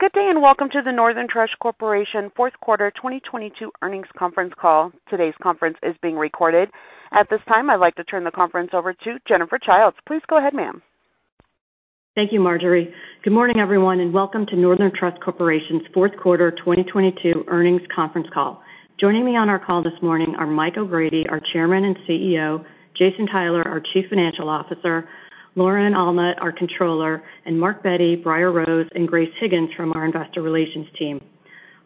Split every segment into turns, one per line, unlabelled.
Good day. Welcome to the Northern Trust Corporation fourth quarter 2022 earnings conference call. Today's conference is being recorded. At this time, I'd like to turn the conference over to Jennifer Childe. Please go ahead, ma'am.
Thank you, Marjorie. Good morning, everyone, welcome to Northern Trust Corporation's fourth quarter 2022 earnings conference call. Joining me on our call this morning are Michael O'Grady, our Chairman and CEO, Jason Tyler, our Chief Financial Officer, Lauren Allnutt, our Controller, Mark Bette, Briar Rose, and Grace Higgins from our investor relations team.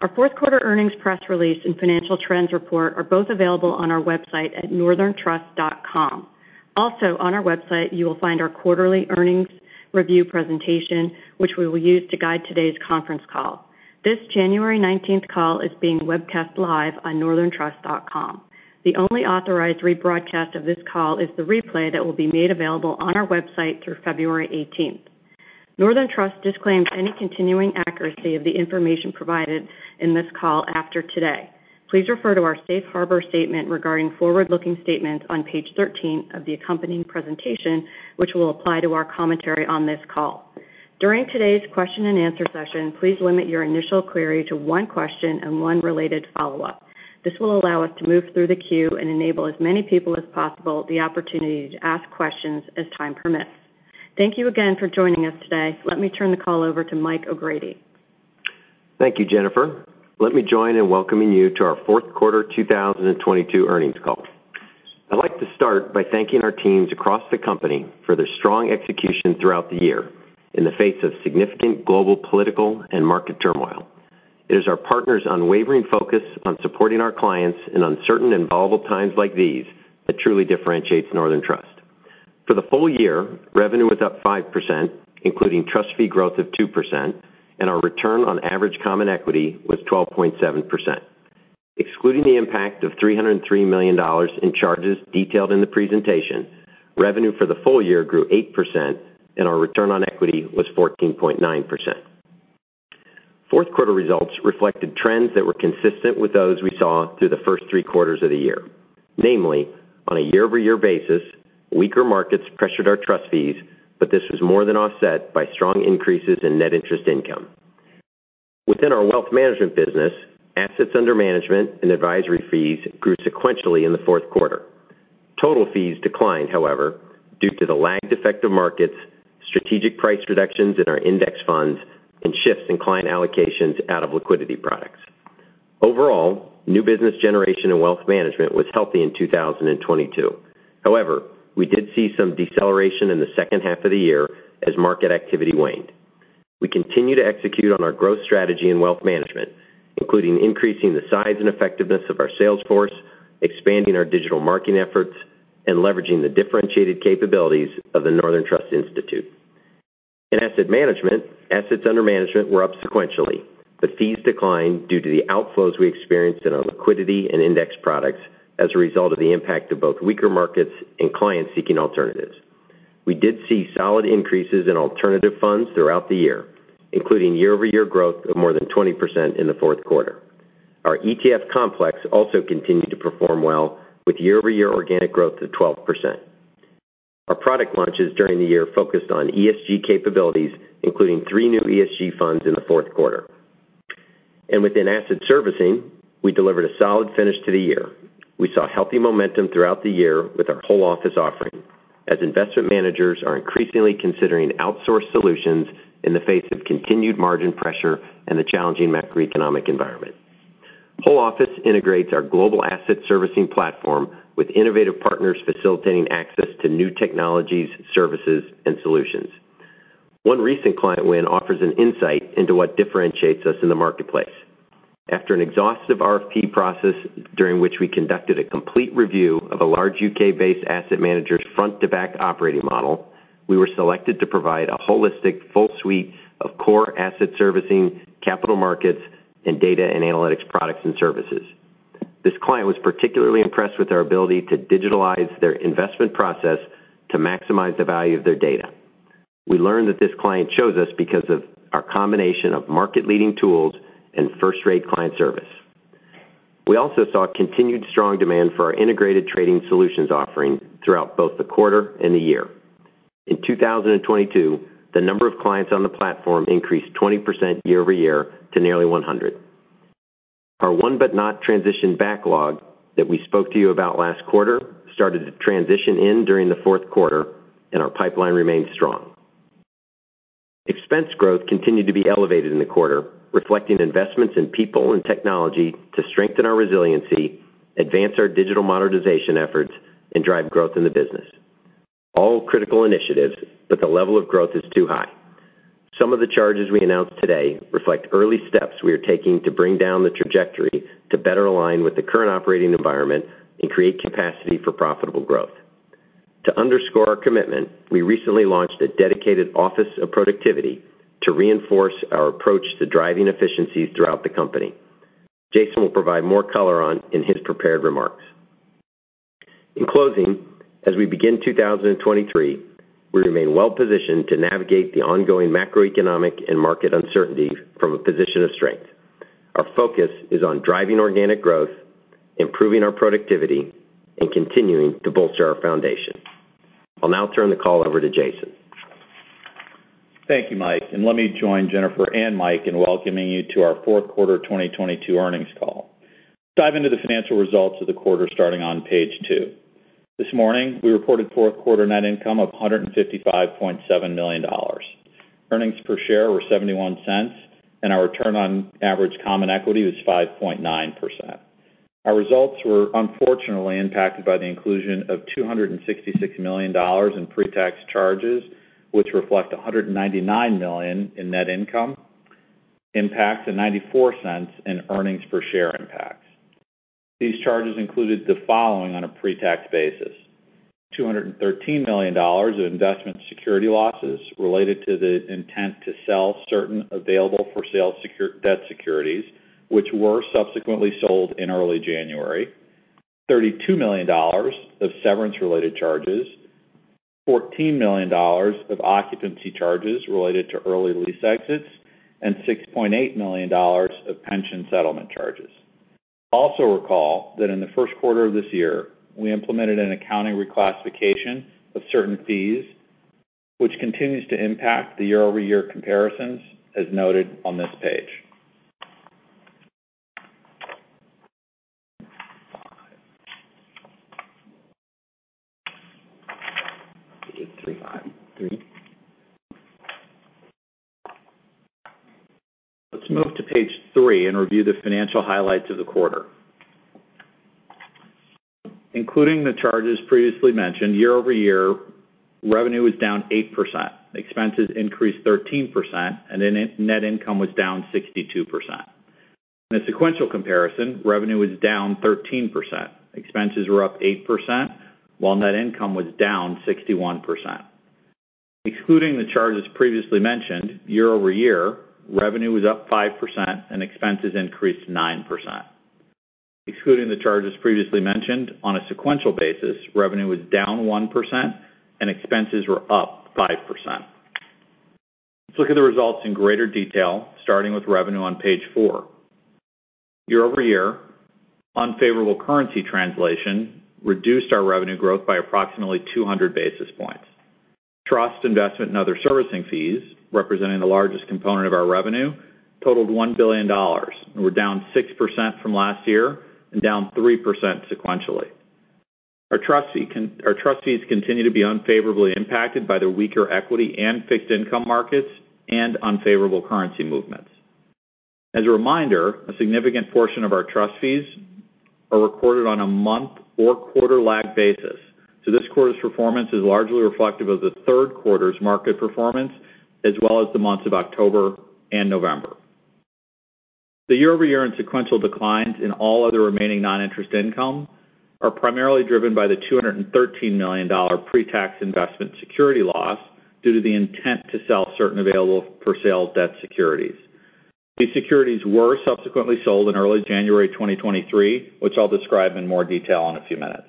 Our fourth quarter earnings press release and financial trends report are both available on our website at northerntrust.com. On our website, you will find our quarterly earnings review presentation, which we will use to guide today's conference call. This January 19th call is being webcast live on northerntrust.com. The only authorized rebroadcast of this call is the replay that will be made available on our website through February 18th. Northern Trust disclaims any continuing accuracy of the information provided in this call after today. Please refer to our safe harbor statement regarding forward-looking statements on page 13 of the accompanying presentation, which will apply to our commentary on this call. During today's question and answer session, please limit your initial query to one question and one related follow-up. This will allow us to move through the queue and enable as many people as possible the opportunity to ask questions as time permits. Thank you again for joining us today. Let me turn the call over to Michael O'Grady.
Thank you, Jennifer. Let me join in welcoming you to our fourth quarter 2022 earnings call. I'd like to start by thanking our teams across the company for their strong execution throughout the year in the face of significant global, political, and market turmoil. It is our partners' unwavering focus on supporting our clients in uncertain and volatile times like these that truly differentiates Northern Trust. For the full year, revenue was up 5%, including trust fee growth of 2%, and our return on average common equity was 12.7%. Excluding the impact of $303 million in charges detailed in the presentation, revenue for the full year grew 8% and our return on equity was 14.9%. Fourth quarter results reflected trends that were consistent with those we saw through the first three quarters of the year. On a year-over-year basis, weaker markets pressured our trust fees. This was more than offset by strong increases in net interest income. Within our wealth management business, assets under management and advisory fees grew sequentially in the fourth quarter. Total fees declined, however, due to the lagged effect of markets, strategic price reductions in our index funds, and shifts in client allocations out of liquidity products. New business generation and wealth management was healthy in 2022. We did see some deceleration in the second half of the year as market activity waned. We continue to execute on our growth strategy in wealth management, including increasing the size and effectiveness of our sales force, expanding our digital marketing efforts, and leveraging the differentiated capabilities of The Northern Trust Institute. In asset management, assets under management were up sequentially, but fees declined due to the outflows we experienced in our liquidity and index products as a result of the impact of both weaker markets and clients seeking alternatives. We did see solid increases in alternative funds throughout the year, including year-over-year growth of more than 20% in the fourth quarter. Our ETF complex also continued to perform well, with year-over-year organic growth of 12%. Our product launches during the year focused on ESG capabilities, including three new ESG funds in the fourth quarter. Within asset servicing, we delivered a solid finish to the year. We saw healthy momentum throughout the year with our Whole Office offering, as investment managers are increasingly considering outsourced solutions in the face of continued margin pressure and the challenging macroeconomic environment. Whole Office integrates our global asset servicing platform with innovative partners facilitating access to new technologies, services, and solutions. One recent client win offers an insight into what differentiates us in the marketplace. After an exhaustive RFP process during which we conducted a complete review of a large U.K.-based asset manager's front-to-back operating model, we were selected to provide a holistic full suite of core asset servicing, capital markets, and data and analytics products and services. This client was particularly impressed with our ability to digitalize their investment process to maximize the value of their data. We learned that this client chose us because of our combination of market-leading tools and first-rate client service. We also saw continued strong demand for our Integrated Trading Solutions offering throughout both the quarter and the year. In 2022, the number of clients on the platform increased 20% year-over-year to nearly 100. Our won but not transitioned backlog that we spoke to you about last quarter started to transition in during the fourth quarter. Our pipeline remains strong. Expense growth continued to be elevated in the quarter, reflecting investments in people and technology to strengthen our resiliency, advance our digital modernization efforts, and drive growth in the business. All critical initiatives. The level of growth is too high. Some of the charges we announced today reflect early steps we are taking to bring down the trajectory to better align with the current operating environment and create capacity for profitable growth. To underscore our commitment, we recently launched a dedicated office of productivity to reinforce our approach to driving efficiencies throughout the company. Jason will provide more color on in his prepared remarks. In closing, as we begin 2023, we remain well-positioned to navigate the ongoing macroeconomic and market uncertainty from a position of strength. Our focus is on driving organic growth, improving our productivity, and continuing to bolster our foundation. I'll now turn the call over to Jason.
Thank you, Mike, and let me join Jennifer and Mike in welcoming you to our fourth quarter 2022 earnings call. Dive into the financial results of the quarter starting on page two. This morning, we reported fourth quarter net income of $155.7 million. Earnings per share were $0.71, and our return on average common equity was 5.9%. Our results were unfortunately impacted by the inclusion of $266 million in pre-tax charges, which reflect $199 million in net income impacts and $0.94 in earnings per share impacts. These charges included the following on a pre-tax basis. $213 million of investment security losses related to the intent to sell certain available for sale debt securities, which were subsequently sold in early January. $32 million of severance related charges. $14 million of occupancy charges related to early lease exits, and $6.8 million of pension settlement charges. Also recall that in the first quarter of this year, we implemented an accounting reclassification of certain fees, which continues to impact the year-over-year comparisons as noted on this page. Let's move to page three and review the financial highlights of the quarter. Including the charges previously mentioned, year-over-year, revenue was down 8%, expenses increased 13%, and net income was down 62%. In a sequential comparison, revenue was down 13%, expenses were up 8%, while net income was down 61%. Excluding the charges previously mentioned, year-over-year, revenue was up 5% and expenses increased 9%. Excluding the charges previously mentioned on a sequential basis, revenue was down 1% and expenses were up 5%. Let's look at the results in greater detail, starting with revenue on page four. Year-over-year, unfavorable currency translation reduced our revenue growth by approximately 200 basis points. Trust investment and other servicing fees, representing the largest component of our revenue, totaled $1 billion and were down 6% from last year and down 3% sequentially. Our trustees continue to be unfavorably impacted by the weaker equity and fixed income markets and unfavorable currency movements. As a reminder, a significant portion of our trust fees are recorded on a month or quarter lag basis. This quarter's performance is largely reflective of the third quarter's market performance, as well as the months of October and November. The year-over-year in sequential declines in all other remaining non-interest income are primarily driven by the $213 million pre-tax investment security loss due to the intent to sell certain available for sale debt securities. These securities were subsequently sold in early January 2023, which I'll describe in more detail in a few minutes.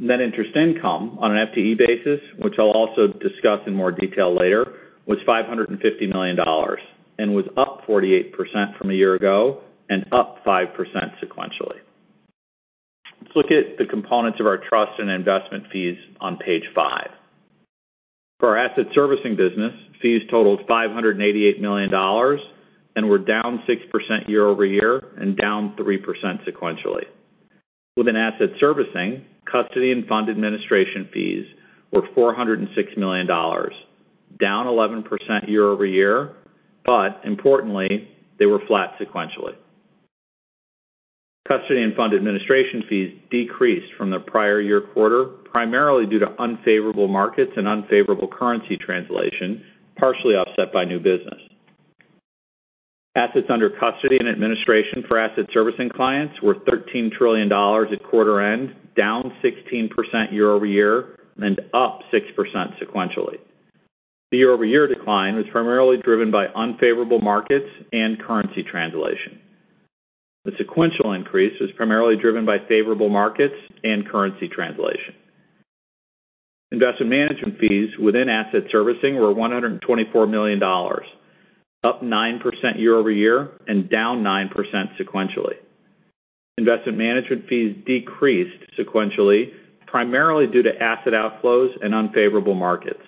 Net interest income on an FTE basis, which I'll also discuss in more detail later, was $550 million and was up 48% from a year ago and up 5% sequentially. Let's look at the components of our trust and investment fees on page 5. For our asset servicing business, fees totaled $588 million and were down 6% year-over-year and down 3% sequentially. Within asset servicing, custody and fund administration fees were $406 million, down 11% year-over-year, importantly, they were flat sequentially. Custody and fund administration fees decreased from their prior year quarter, primarily due to unfavorable markets and unfavorable currency translation, partially offset by new business. Assets under custody and administration for asset servicing clients were $13 trillion at quarter end, down 16% year-over-year, up 6% sequentially. The year-over-year decline was primarily driven by unfavorable markets and currency translation. The sequential increase was primarily driven by favorable markets and currency translation. Investment management fees within asset servicing were $124 million, up 9% year-over-year, down 9% sequentially. Investment management fees decreased sequentially, primarily due to asset outflows and unfavorable markets.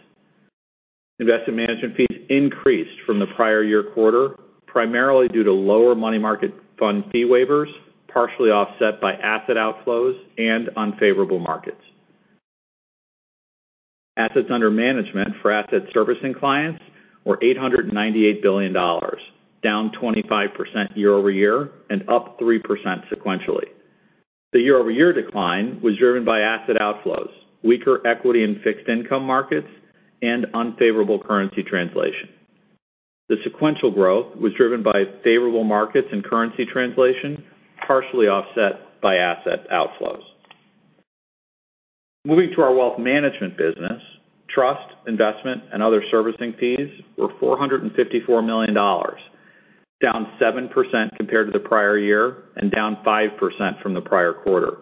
Investment management fees increased from the prior year quarter, primarily due to lower money market fund fee waivers, partially offset by asset outflows and unfavorable markets. Assets under management for asset servicing clients were $898 billion, down 25% year-over-year and up 3% sequentially. The year-over-year decline was driven by asset outflows, weaker equity in fixed income markets, and unfavorable currency translation. The sequential growth was driven by favorable markets and currency translation, partially offset by asset outflows. Moving to our wealth management business, trust, investment, and other servicing fees were $454 million, down 7% compared to the prior year and down 5% from the prior quarter.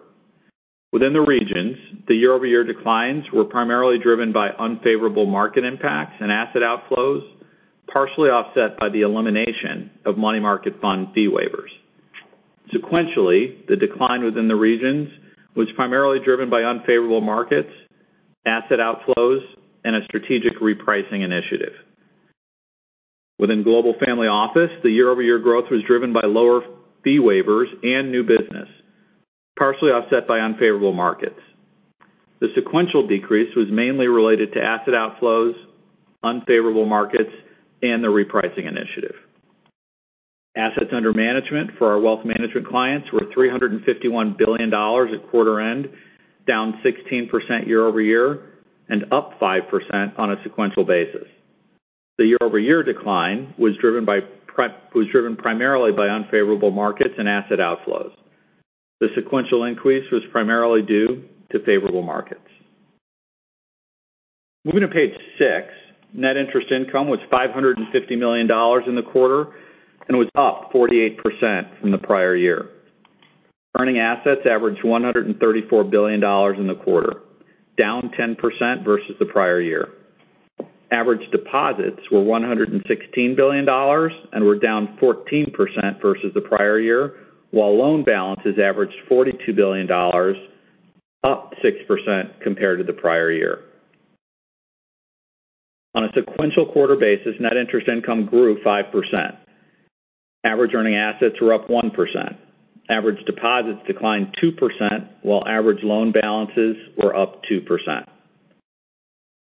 Within the regions, the year-over-year declines were primarily driven by unfavorable market impacts and asset outflows, partially offset by the elimination of money market fund fee waivers. Sequentially, the decline within the regions was primarily driven by unfavorable markets, asset outflows, and a strategic repricing initiative. Within Global Family Office, the year-over-year growth was driven by lower fee waivers and new business, partially offset by unfavorable markets. The sequential decrease was mainly related to asset outflows, unfavorable markets, and the repricing initiative. Assets under management for our wealth management clients were $351 billion at quarter end, down 16% year-over-year and up 5% on a sequential basis. The year-over-year decline was driven primarily by unfavorable markets and asset outflows. The sequential increase was primarily due to favorable markets. Moving to page 6. Net interest income was $550 million in the quarter and was up 48% from the prior year. Earning assets averaged $134 billion in the quarter, down 10% versus the prior year. Average deposits were $116 billion and were down 14% versus the prior year, while loan balances averaged $42 billion, up 6% compared to the prior year. On a sequential quarter basis, net interest income grew 5%. Average earning assets were up 1%. Average deposits declined 2%, while average loan balances were up 2%.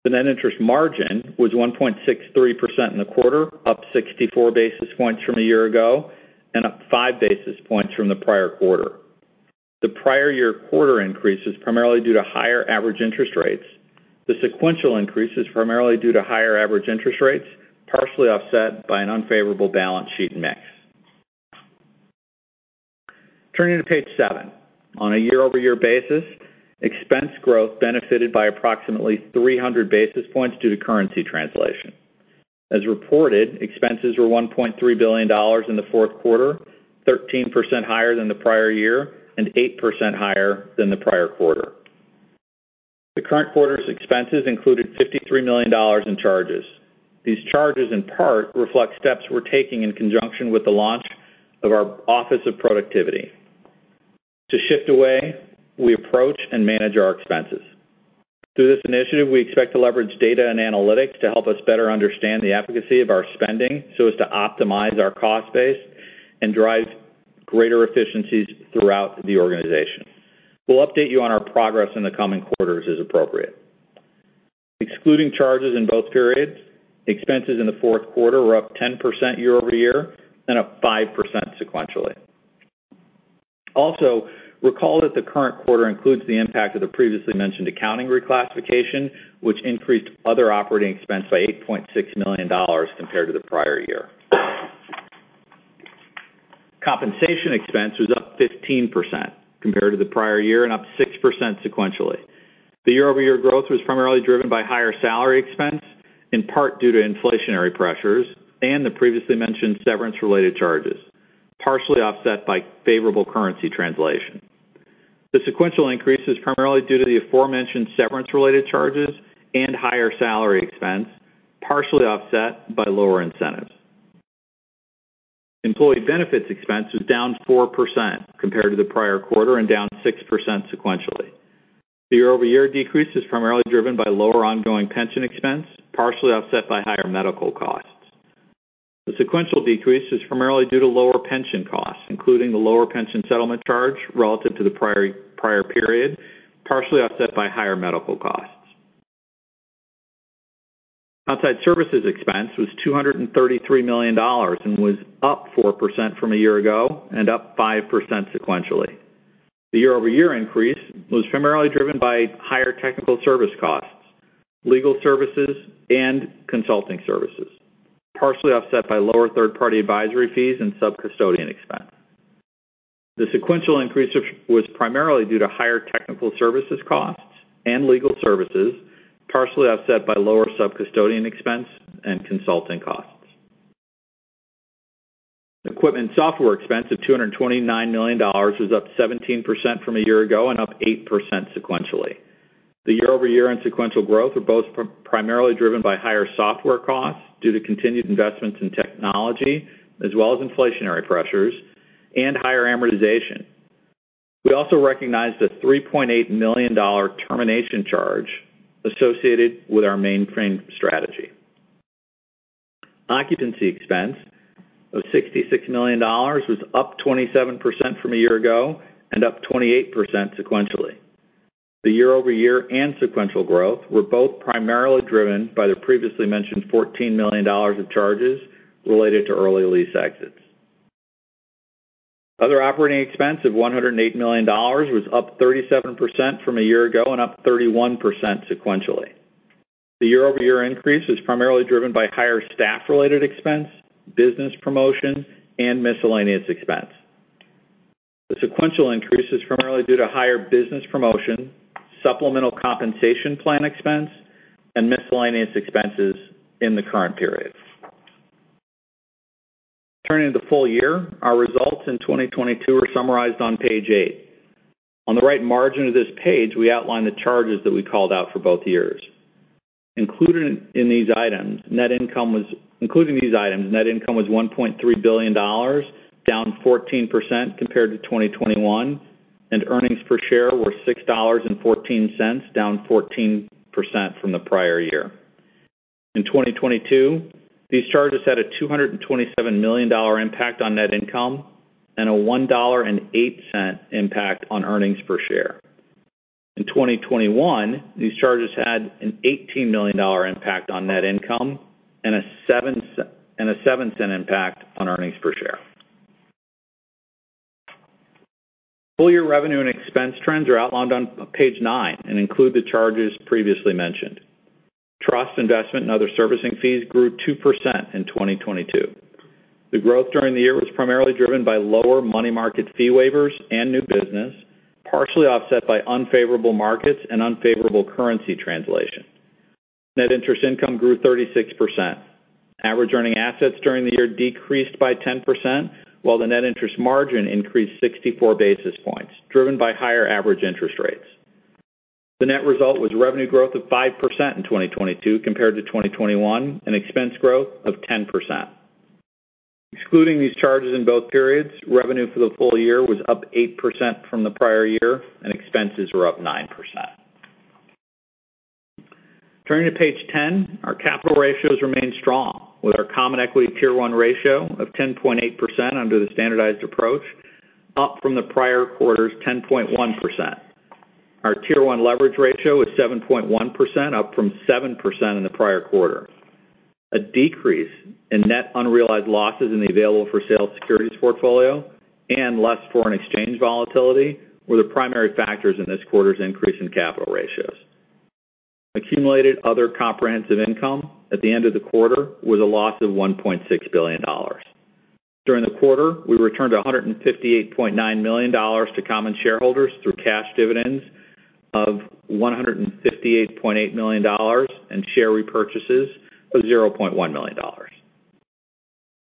The net interest margin was 1.63% in the quarter, up 64 basis points from a year ago and up 5 basis points from the prior quarter. The prior year quarter increase is primarily due to higher average interest rates. The sequential increase is primarily due to higher average interest rates, partially offset by an unfavorable balance sheet mix. Turning to page seven. On a year-over-year basis, expense growth benefited by approximately 300 basis points due to currency translation. As reported, expenses were $1.3 billion in the fourth quarter, 13% higher than the prior year and 8% higher than the prior quarter. The current quarter's expenses included $53 million in charges. These charges in part reflect steps we're taking in conjunction with the launch of our Office of Productivity to shift the way we approach and manage our expenses. Through this initiative, we expect to leverage data and analytics to help us better understand the efficacy of our spending so as to optimize our cost base and drive greater efficiencies throughout the organization. We'll update you on our progress in the coming quarters as appropriate. Excluding charges in both periods, expenses in the fourth quarter were up 10% year-over-year and up 5% sequentially. Recall that the current quarter includes the impact of the previously mentioned accounting reclassification, which increased other operating expense by $8.6 million compared to the prior year. Compensation expense was up 15% compared to the prior year and up 6% sequentially. The year-over-year growth was primarily driven by higher salary expense, in part due to inflationary pressures and the previously mentioned severance-related charges, partially offset by favorable currency translation. The sequential increase is primarily due to the aforementioned severance-related charges and higher salary expense, partially offset by lower incentives. Employee benefits expense was down 4% compared to the prior quarter and down 6% sequentially. The year-over-year decrease is primarily driven by lower ongoing pension expense, partially offset by higher medical costs. The sequential decrease is primarily due to lower pension costs, including the lower pension settlement charge relative to the prior period, partially offset by higher medical costs. Outside services expense was $233 million and was up 4% from a year ago and up 5% sequentially. The year-over-year increase was primarily driven by higher technical service costs, legal services, and consulting services, partially offset by lower third-party advisory fees and sub-custodian expense. The sequential increase was primarily due to higher technical services costs and legal services, partially offset by lower sub-custodian expense and consulting costs. Equipment software expense of $229 million was up 17% from a year ago and up 8% sequentially. The year-over-year and sequential growth are both primarily driven by higher software costs due to continued investments in technology as well as inflationary pressures and higher amortization. We also recognized a $3.8 million termination charge associated with our mainframe strategy. Occupancy expense of $66 million was up 27% from a year ago and up 28% sequentially. The year-over-year and sequential growth were both primarily driven by the previously mentioned $14 million of charges related to early lease exits. Other operating expense of $108 million was up 37% from a year ago and up 31% sequentially. The year-over-year increase was primarily driven by higher staff-related expense, business promotion, and miscellaneous expense. The sequential increase is primarily due to higher business promotion, supplemental compensation plan expense, and miscellaneous expenses in the current period. Turning to the full year, our results in 2022 are summarized on page eight. On the right margin of this page, we outline the charges that we called out for both years. Including these items, net income was $1.3 billion, down 14% compared to 2021, and earnings per share were $6.14, down 14% from the prior year. In 2022, these charges had a $227 million impact on net income and a $1.08 impact on earnings per share. In 2021, these charges had an $18 million impact on net income and a $0.07 impact on earnings per share. Full year revenue and expense trends are outlined on page 9 and include the charges previously mentioned. Trust investment and other servicing fees grew 2% in 2022. The growth during the year was primarily driven by lower money market fee waivers and new business, partially offset by unfavorable markets and unfavorable currency translation. Net interest income grew 36%. Average earning assets during the year decreased by 10%, while the net interest margin increased 64 basis points, driven by higher average interest rates. The net result was revenue growth of 5% in 2022 compared to 2021, and expense growth of 10%. Excluding these charges in both periods, revenue for the full year was up 8% from the prior year, and expenses were up 9%. Turning to page 10, our capital ratios remain strong, with our Common Equity Tier 1 ratio of 10.8% under the standardized approach, up from the prior quarter's 10.1%. Our Tier 1 leverage ratio is 7.1%, up from 7% in the prior quarter. A decrease in net unrealized losses in the available for sale securities portfolio and less foreign exchange volatility were the primary factors in this quarter's increase in capital ratios. Accumulated other comprehensive income at the end of the quarter was a loss of $1.6 billion. During the quarter, we returned $158.9 million to common shareholders through cash dividends of $158.8 million and share repurchases of $0.1 million.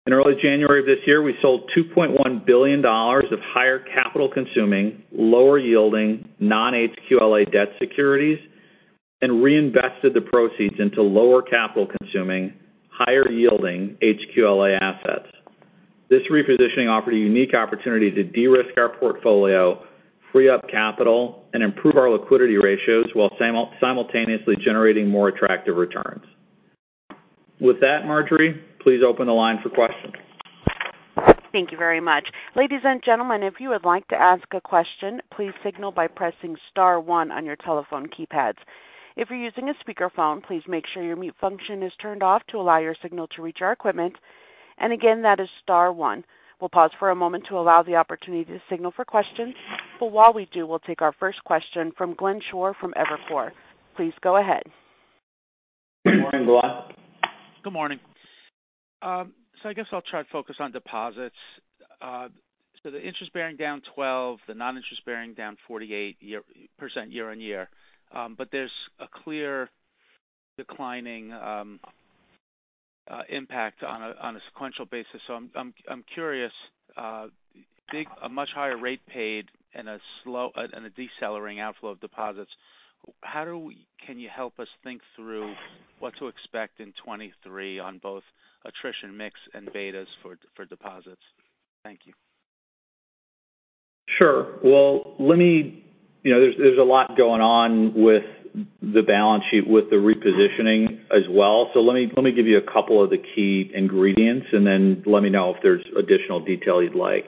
In early January of this year, we sold $2.1 billion of higher capital consuming, lower yielding non-HQLA debt securities and reinvested the proceeds into lower capital consuming, higher yielding HQLA assets. This repositioning offered a unique opportunity to de-risk our portfolio, free up capital, and improve our liquidity ratios while simultaneously generating more attractive returns. With that, Marjorie, please open the line for questions.
Thank you very much. Ladies and gentlemen, if you would like to ask a question, please signal by pressing star one on your telephone keypads. If you're using a speakerphone, please make sure your mute function is turned off to allow your signal to reach our equipment. Again, that is star one. We'll pause for a moment to allow the opportunity to signal for questions. While we do, we'll take our first question from Glenn Schorr from Evercore. Please go ahead.
Good morning, Glenn.
Good morning. I guess I'll try to focus on deposits. The interest bearing down 12, the non-interest bearing down 48% year-on-year. There's a clear declining impact on a sequential basis. I'm curious, a much higher rate paid and a decelerating outflow of deposits, can you help us think through what to expect in 2023 on both attrition mix and betas for deposits? Thank you.
Sure. Well, let me. You know, there's a lot going on with the balance sheet, with the repositioning as well. Let me give you a couple of the key ingredients and then let me know if there's additional detail you'd like.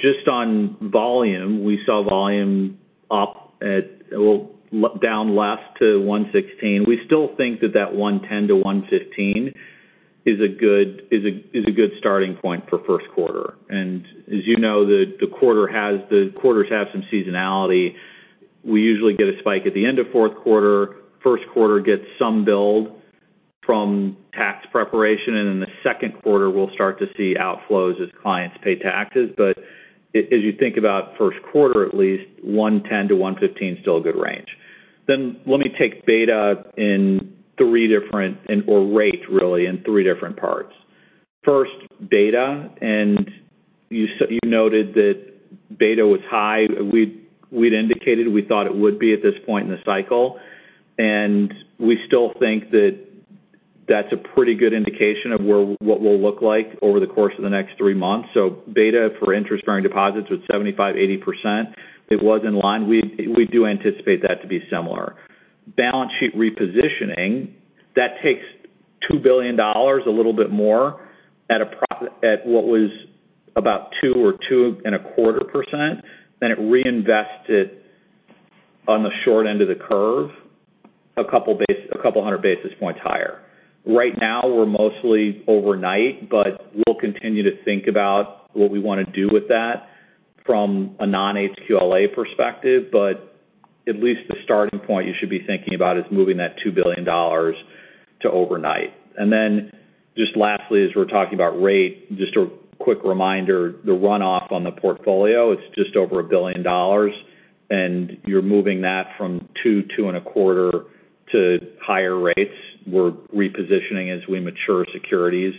Just on volume, we saw volume up at, well, down less to 116. We still think that that 110-115 is a good starting point for first quarter. As you know, the quarters have some seasonality. We usually get a spike at the end of fourth quarter. First quarter gets some build from tax preparation, in the second quarter we'll start to see outflows as clients pay taxes. As you think about first quarter, at least 110-115 is still a good range. Let me take beta in 3 different, or rate really, in 3 different parts. First, beta, and you noted that beta was high. We'd indicated we thought it would be at this point in the cycle, and we still think that that's a pretty good indication of what we'll look like over the course of the next 3 months. Beta for interest-bearing deposits was 75-80%. It was in line. We do anticipate that to be similar. Balance sheet repositioning, that takes $2 billion, a little bit more, at what was about 2-2.25%, it reinvested on the short end of the curve a couple hundred basis points higher. Right now we're mostly overnight. We'll continue to think about what we want to do with that from a non-HQLA perspective. At least the starting point you should be thinking about is moving that $2 billion to overnight. Just lastly, as we're talking about rate, just a quick reminder, the runoff on the portfolio, it's just over $1 billion. You're moving that from 2.25 to higher rates. We're repositioning as we mature securities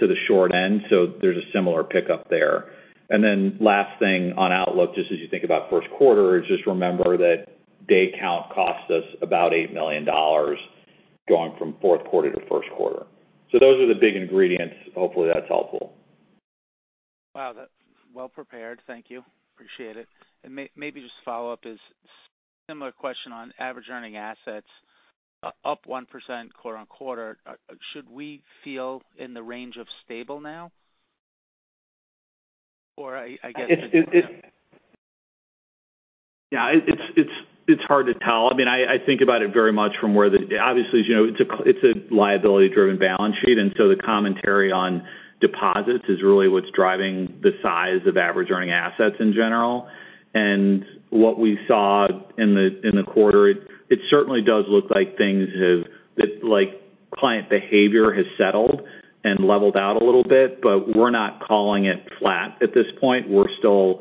to the short end, so there's a similar pickup there. Last thing on outlook, just as you think about first quarter, is just remember that day count costs us about $8 million going from fourth quarter to first quarter. Those are the big ingredients. Hopefully, that's helpful.
Wow, that's well prepared. Thank you. Appreciate it. Maybe just follow up is similar question on average earning assets up 1% quarter-on-quarter. Should we feel in the range of stable now? Or I guess...
Yeah, it's hard to tell. I mean, I think about it very much from where obviously, as you know, it's a, it's a liability-driven balance sheet. The commentary on deposits is really what's driving the size of average earning assets in general. What we saw in the quarter, it certainly does look like things, like client behavior has settled and leveled out a little bit. We're not calling it flat at this point. We're still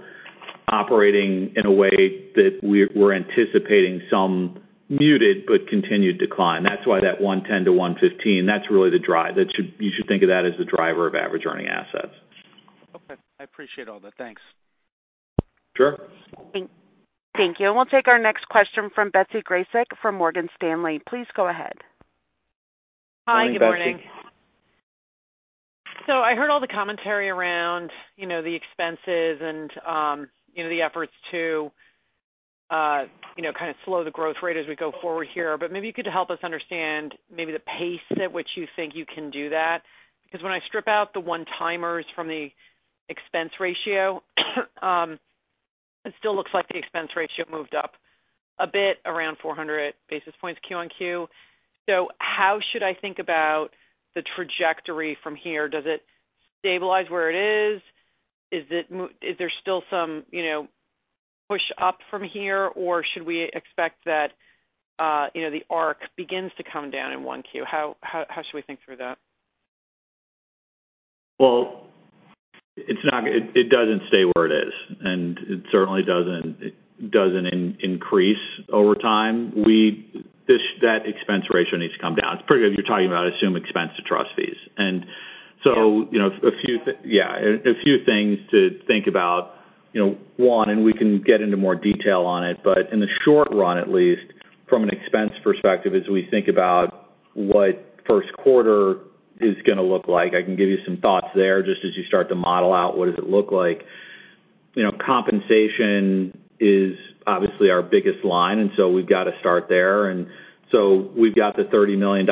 operating in a way that we're anticipating some muted but continued decline. That's why that 110-115, that's really the drive. You should think of that as the driver of average earning assets.
Okay. I appreciate all that. Thanks.
Sure.
Thank you. We'll take our next question from Betsy Graseck from Morgan Stanley. Please go ahead.
Hi, Betsy.
Hi, good morning. I heard all the commentary around, you know, the expenses and, you know, the efforts to, you know, kind of slow the growth rate as we go forward here. Maybe you could help us understand maybe the pace at which you think you can do that. Because when I strip out the one-timers from the expense ratio, it still looks like the expense ratio moved up a bit around 400 basis points Q-on-Q. How should I think about the trajectory from here? Does it stabilize where it is? Is there still some, you know, push up from here, or should we expect that, you know, the arc begins to come down in 1 Q? How should we think through that?
Well, it doesn't stay where it is, and it certainly doesn't increase over time. That expense ratio needs to come down. It's pretty good. You're talking about, I assume, expense to trust fees.
Yeah.
You know, a few things to think about, you know, one, and we can get into more detail on it, but in the short run, at least from an expense perspective, as we think about what first quarter is gonna look like, I can give you some thoughts there just as you start to model out what does it look like. You know, compensation is obviously our biggest line, and so we've got to start there. We've got the $30 million,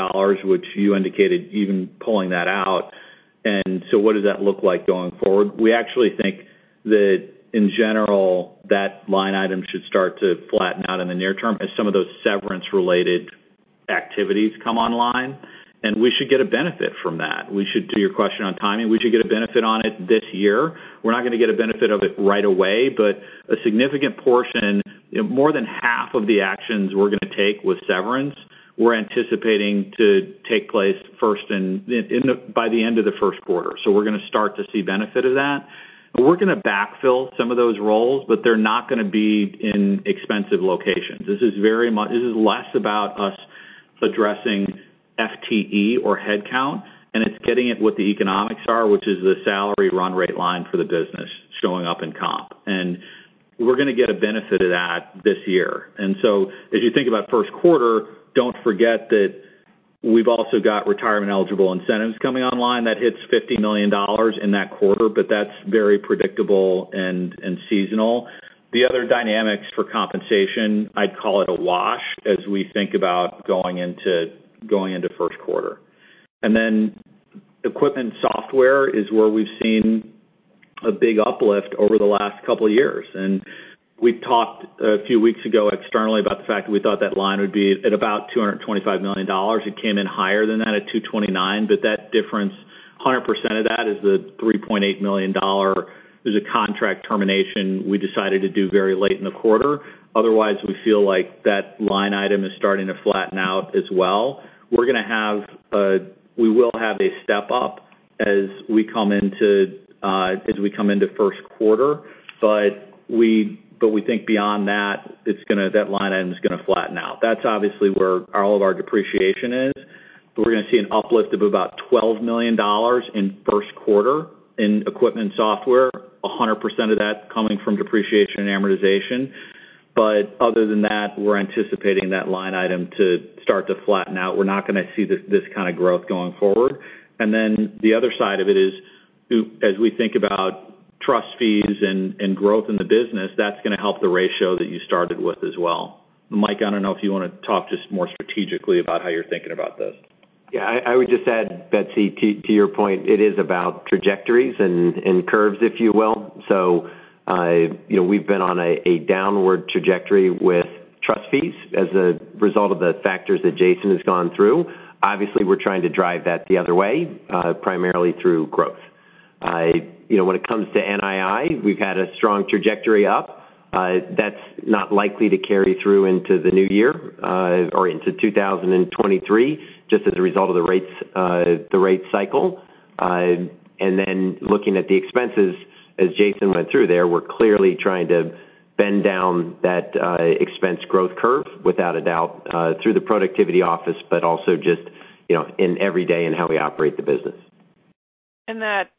which you indicated even pulling that out. What does that look like going forward? We actually think that, in general, that line item should start to flatten out in the near term as some of those severance-related activities come online. We should get a benefit from that. We should, to your question on timing, we should get a benefit on it this year. We're not gonna get a benefit of it right away, but a significant portion, more than half of the actions we're gonna take with severance, we're anticipating to take place first in the by the end of the first quarter. We're gonna start to see benefit of that. We're gonna backfill some of those roles, but they're not gonna be in expensive locations. This is less about us addressing FTE or headcount, and it's getting at what the economics are, which is the salary run rate line for the business showing up in comp. We're gonna get a benefit of that this year. As you think about first quarter, don't forget that we've also got retirement-eligible incentives coming online that hits $50 million in that quarter, but that's very predictable and seasonal. The other dynamics for compensation, I'd call it a wash as we think about going into first quarter. Equipment software is where we've seen a big uplift over the last couple of years. We talked a few weeks ago externally about the fact that we thought that line would be at about $225 million. It came in higher than that at $229. That difference, 100% of that is the $3.8 million is a contract termination we decided to do very late in the quarter. Otherwise, we feel like that line item is starting to flatten out as well. We will have a step up as we come into first quarter, we think beyond that line item is gonna flatten out. That's obviously where all of our depreciation is, but we're gonna see an uplift of about $12 million in first quarter in equipment software, 100% of that coming from depreciation and amortization. Other than that, we're anticipating that line item to start to flatten out. We're not gonna see this kind of growth going forward. The other side of it is, as we think about trust fees and growth in the business, that's gonna help the ratio that you started with as well. Mike, I don't know if you wanna talk just more strategically about how you're thinking about this.
Yeah, I would just add, Betsy, to your point, it is about trajectories and curves, if you will. You know, we've been on a downward trajectory with trust fees as a result of the factors that Jason has gone through. Obviously, we're trying to drive that the other way, primarily through growth. You know, when it comes to NII, we've had a strong trajectory up. That's not likely to carry through into the new year, or into 2023, just as a result of the rates, the rate cycle.
Looking at the expenses, as Jason went through there, we're clearly trying to bend down that expense growth curve, without a doubt, through the productivity office, but also just, you know, in every day in how we operate the business.
That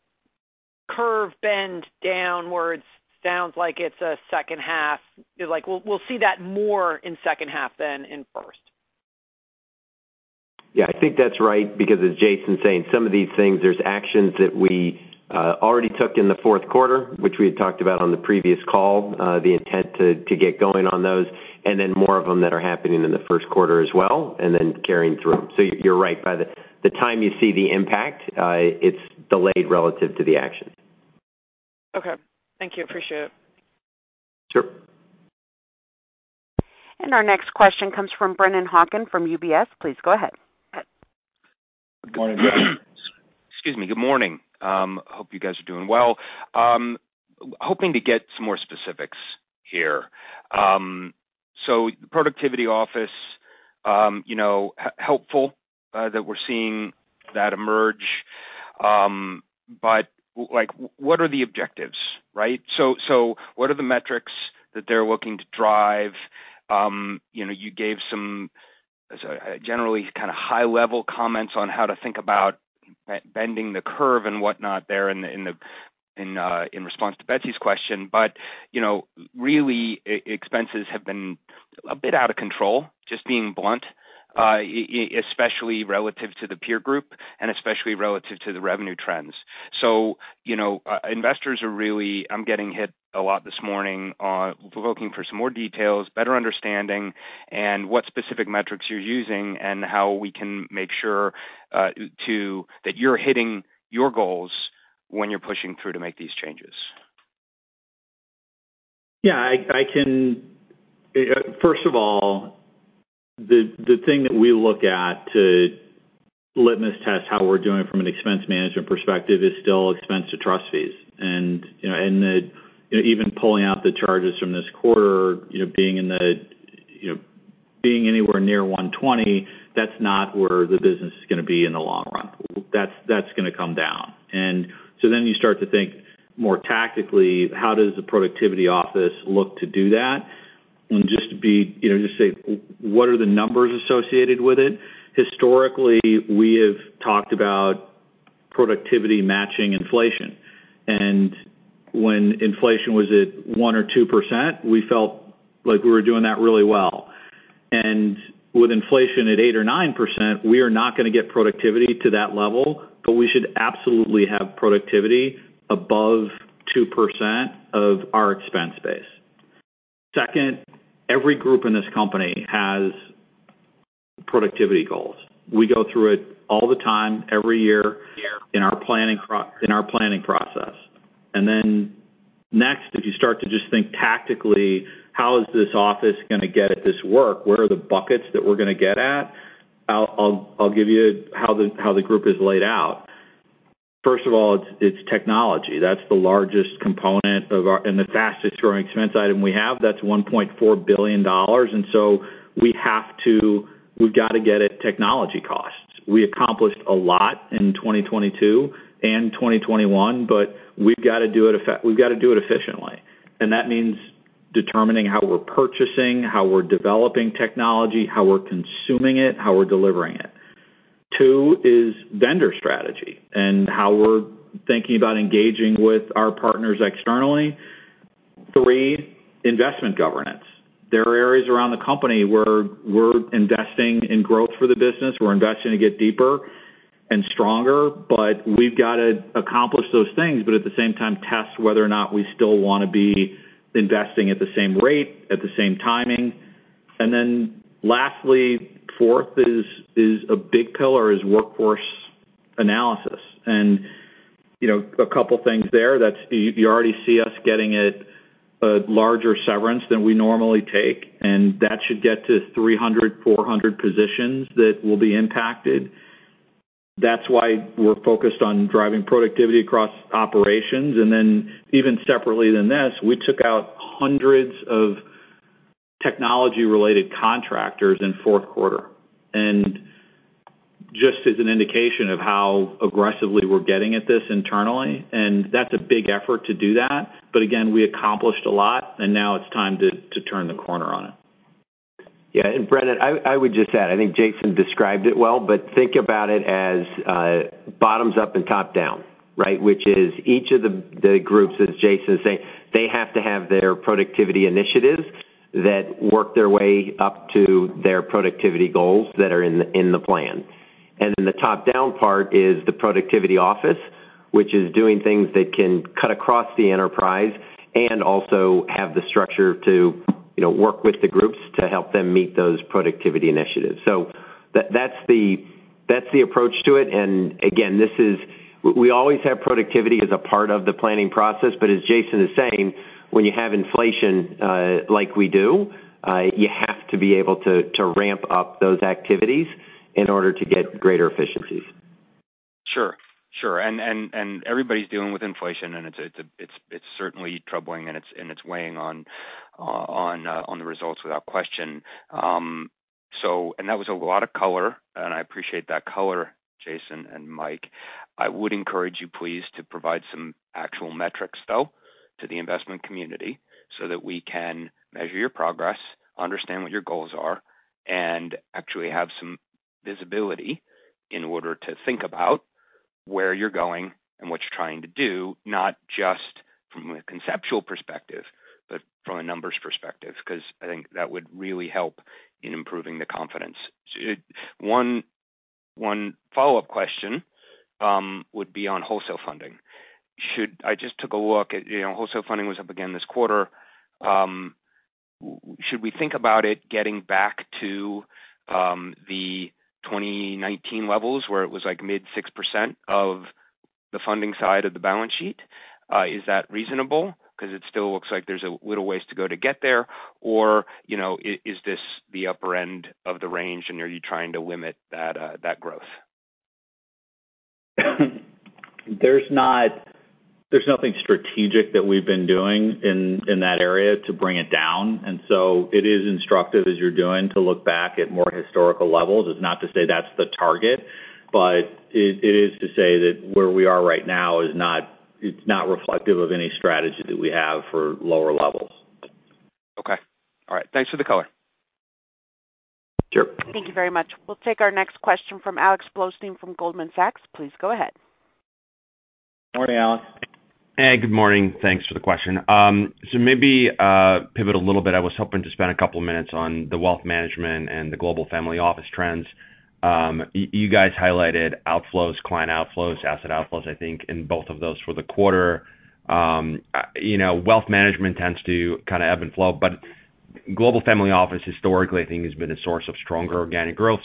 curve bend downwards sounds like it's a second half. Like, we'll see that more in second half than in first.
Yeah, I think that's right because as Jason's saying, some of these things, there's actions that we already took in the fourth quarter, which we had talked about on the previous call, the intent to get going on those, and then more of them that are happening in the first quarter as well, and then carrying through. You're right. By the time you see the impact, it's delayed relative to the action.
Okay. Thank you. Appreciate it.
Sure.
Our next question comes from Brennan Hawken from UBS. Please go ahead.
Good morning. Excuse me. Good morning. Hope you guys are doing well. Hoping to get some more specifics here. Productivity office, you know, helpful that we're seeing that emerge. Like, what are the objectives, right? What are the metrics that they're looking to drive? You know, you gave some generally kind of high-level comments on how to think about bending the curve and whatnot there in response to Betsy's question. You know, really, expenses have been a bit out of control, just being blunt, especially relative to the peer group and especially relative to the revenue trends. You know, investors are really... I'm getting hit a lot this morning on looking for some more details, better understanding, and what specific metrics you're using and how we can make sure that you're hitting your goals when you're pushing through to make these changes.
Yeah, first of all, the thing that we look at to litmus test how we're doing from an expense management perspective is still expense to trust fees. Even pulling out the charges from this quarter, being anywhere near 120, that's not where the business is going to be in the long run. That's going to come down. You start to think more tactically, how does the office of productivity look to do that? Just to be, you know, just say, what are the numbers associated with it? Historically, we have talked about productivity matching inflation. When inflation was at 1% or 2%, we felt like we were doing that really well. With inflation at 8% or 9%, we are not going to get productivity to that level, but we should absolutely have productivity above 2% of our expense base. Second, every group in this company has productivity goals. We go through it all the time, every year in our planning process. Next, if you start to just think tactically, how is this office going to get at this work? Where are the buckets that we're going to get at? I'll give you how the group is laid out. First of all, it's technology. That's the largest component of our and the fastest growing expense item we have. That's $1.4 billion, we've got to get at technology costs. We accomplished a lot in 2022 and 2021, but we've got to do it efficiently. That means determining how we're purchasing, how we're developing technology, how we're consuming it, how we're delivering it. Two is vendor strategy and how we're thinking about engaging with our partners externally. Three, investment governance. There are areas around the company where we're investing in growth for the business. We're investing to get deeper and stronger, but we've got to accomplish those things, but at the same time, test whether or not we still want to be investing at the same rate, at the same timing. Lastly, fourth is a big pillar is workforce analysis. You know, a couple of things there. That's, you already see us getting at a larger severance than we normally take, and that should get to 300, 400 positions that will be impacted. That's why we're focused on driving productivity across operations. Then even separately than this, we took out hundreds of technology-related contractors in fourth quarter. Just as an indication of how aggressively we're getting at this internally, and that's a big effort to do that. Again, we accomplished a lot and now it's time to turn the corner on it.
Brennan, I would just add, I think Jason described it well, but think about it as bottoms up and top down, right? Which is each of the groups, as Jason is saying, they have to have their productivity initiatives that work their way up to their productivity goals that are in the plan. The top-down part is the Productivity Office, which is doing things that can cut across the enterprise and also have the structure to, you know, work with the groups to help them meet those productivity initiatives. That's the approach to it. We always have productivity as a part of the planning process. As Jason is saying, when you have inflation, like we do, you have to be able to ramp up those activities in order to get greater efficiencies.
Sure. Sure. Everybody's dealing with inflation, and it's certainly troubling, and it's weighing on the results without question. That was a lot of color, I appreciate that color, Jason and Mike. I would encourage you please to provide some actual metrics, though, to the investment community so that we can measure your progress, understand what your goals are, and actually have some visibility in order to think about where you're going and what you're trying to do, not just from a conceptual perspective, but from a numbers perspective, because I think that would really help in improving the confidence. One follow-up question would be on wholesale funding. I just took a look at, you know, wholesale funding was up again this quarter. Should we think about it getting back to the 2019 levels where it was like mid 6% of the funding side of the balance sheet? Is that reasonable because it still looks like there's a little ways to go to get there? Or, you know, is this the upper end of the range and are you trying to limit that growth?
There's nothing strategic that we've been doing in that area to bring it down. It is instructive as you're doing to look back at more historical levels. It's not to say that's the target, but it is to say that where we are right now is not reflective of any strategy that we have for lower levels.
Okay. All right. Thanks for the color.
Sure.
Thank you very much. We'll take our next question from Alex Blostein from Goldman Sachs. Please go ahead.
Morning, Alex.
Hey, good morning. Thanks for the question. Maybe pivot a little bit. I was hoping to spend a couple of minutes on the wealth management and the Global Family Office trends. You guys highlighted outflows, client outflows, asset outflows, I think, in both of those for the quarter. You know, wealth management tends to kind of ebb and flow, but Global Family Office historically, I think, has been a source of stronger organic growth.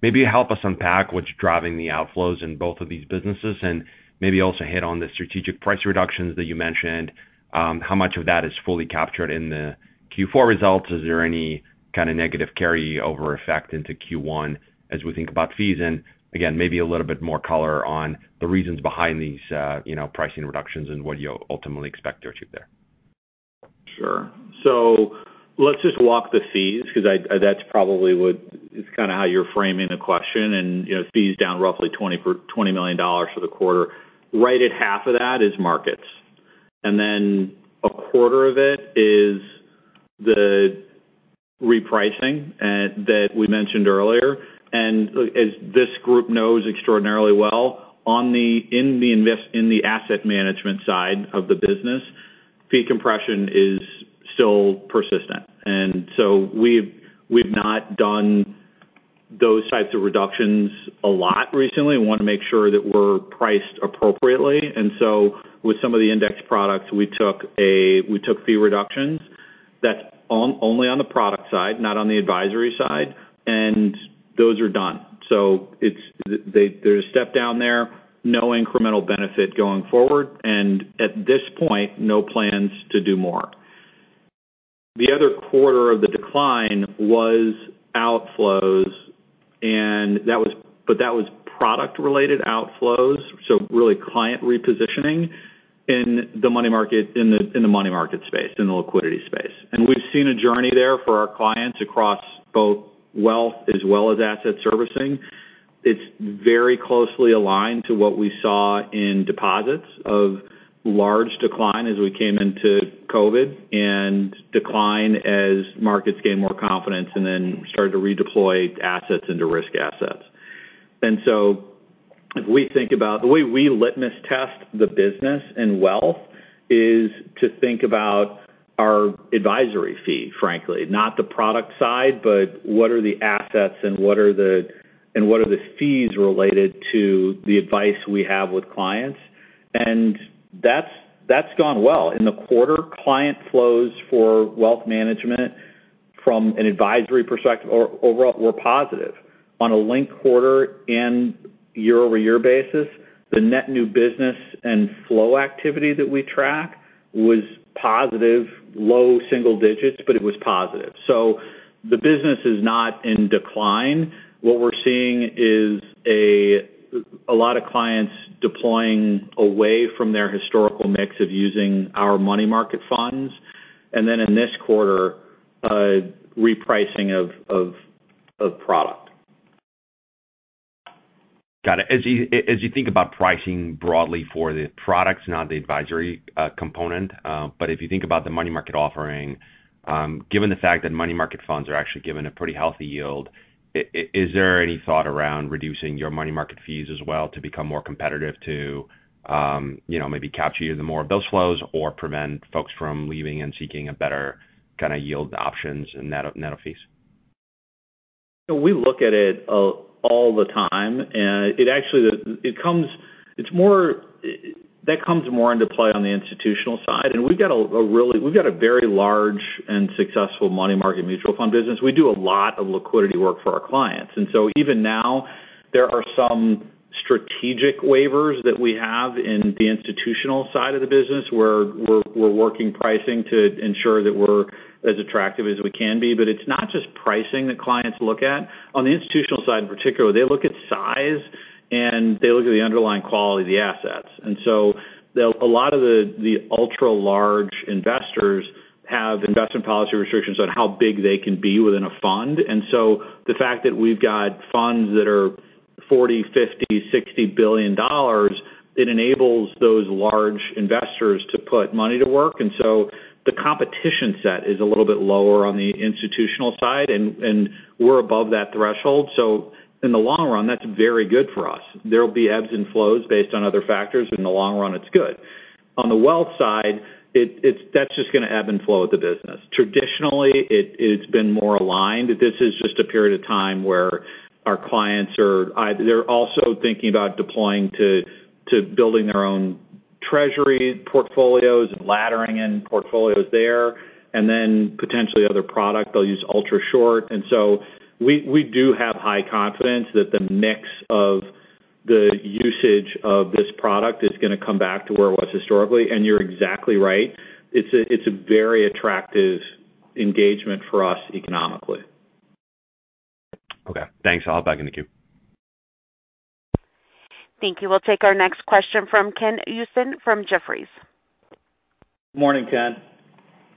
Maybe help us unpack what's driving the outflows in both of these businesses, and maybe also hit on the strategic price reductions that you mentioned. How much of that is fully captured in the Q4 results? Is there any kind of negative carryover effect into Q1 as we think about fees? Again, maybe a little bit more color on the reasons behind these, you know, pricing reductions and what you ultimately expect to achieve there.
Sure. Let's just walk the fees because I that's probably what. It's kind of how you're framing the question. You know, fees down roughly $20 million for the quarter. Right at half of that is markets. Then a quarter of it is the repricing that we mentioned earlier. As this group knows extraordinarily well, in the asset management side of the business, fee compression is still persistent. So we've not done those types of reductions a lot recently. We want to make sure that we're priced appropriately. So with some of the index products, we took fee reductions. That's only on the product side, not on the advisory side, and those are done. There's a step down there, no incremental benefit going forward, and at this point, no plans to do more. The other quarter of the decline was outflows, that was product-related outflows, so really client repositioning in the money market, in the money market space, in the liquidity space. We've seen a journey there for our clients across both wealth as well as asset servicing. It's very closely aligned to what we saw in deposits of large decline as we came into COVID and decline as markets gained more confidence and then started to redeploy assets into risk assets. If we think about... The way we litmus test the business and wealth is to think about our advisory fee, frankly, not the product side, but what are the assets and what are the fees related to the advice we have with clients. That's gone well. In the quarter, client flows for wealth management from an advisory perspective or overall were positive. On a linked quarter and year-over-year basis, the net new business and flow activity that we track was positive, low single digits, but it was positive. The business is not in decline. What we're seeing is a lot of clients deploying away from their historical mix of using our money market funds, and then in this quarter, a repricing of product.
Got it. As you think about pricing broadly for the products, not the advisory component, but if you think about the money market offering, given the fact that money market funds are actually given a pretty healthy yield, is there any thought around reducing your money market fees as well to become more competitive to, you know, maybe capture even more of those flows or prevent folks from leaving and seeking a better kind of yield options and net off fees?
We look at it all the time, and that comes more into play on the institutional side. We've got a very large and successful money market mutual fund business. We do a lot of liquidity work for our clients. Even now, there are some strategic waivers that we have in the institutional side of the business where we're working pricing to ensure that we're as attractive as we can be. It's not just pricing that clients look at. On the institutional side, in particular, they look at size, and they look at the underlying quality of the assets. A lot of the ultra large investors have investment policy restrictions on how big they can be within a fund. The fact that we've got funds that are $40 billion, $50 billion, $60 billion, it enables those large investors to put money to work. The competition set is a little bit lower on the institutional side, and we're above that threshold. In the long run, that's very good for us. There will be ebbs and flows based on other factors. In the long run, it's good. On the wealth side, that's just gonna ebb and flow with the business. Traditionally, it's been more aligned. This is just a period of time where our clients are they're also thinking about deploying to building their own treasury portfolios and laddering in portfolios there, and then potentially other product, they'll use Ultra-Short. We do have high confidence that the mix of the usage of this product is gonna come back to where it was historically. You're exactly right. It's a very attractive engagement for us economically.
Okay, thanks. I'll hop back in the queue.
Thank you. We'll take our next question from Kenneth Usdin from Jefferies.
Morning, Ken.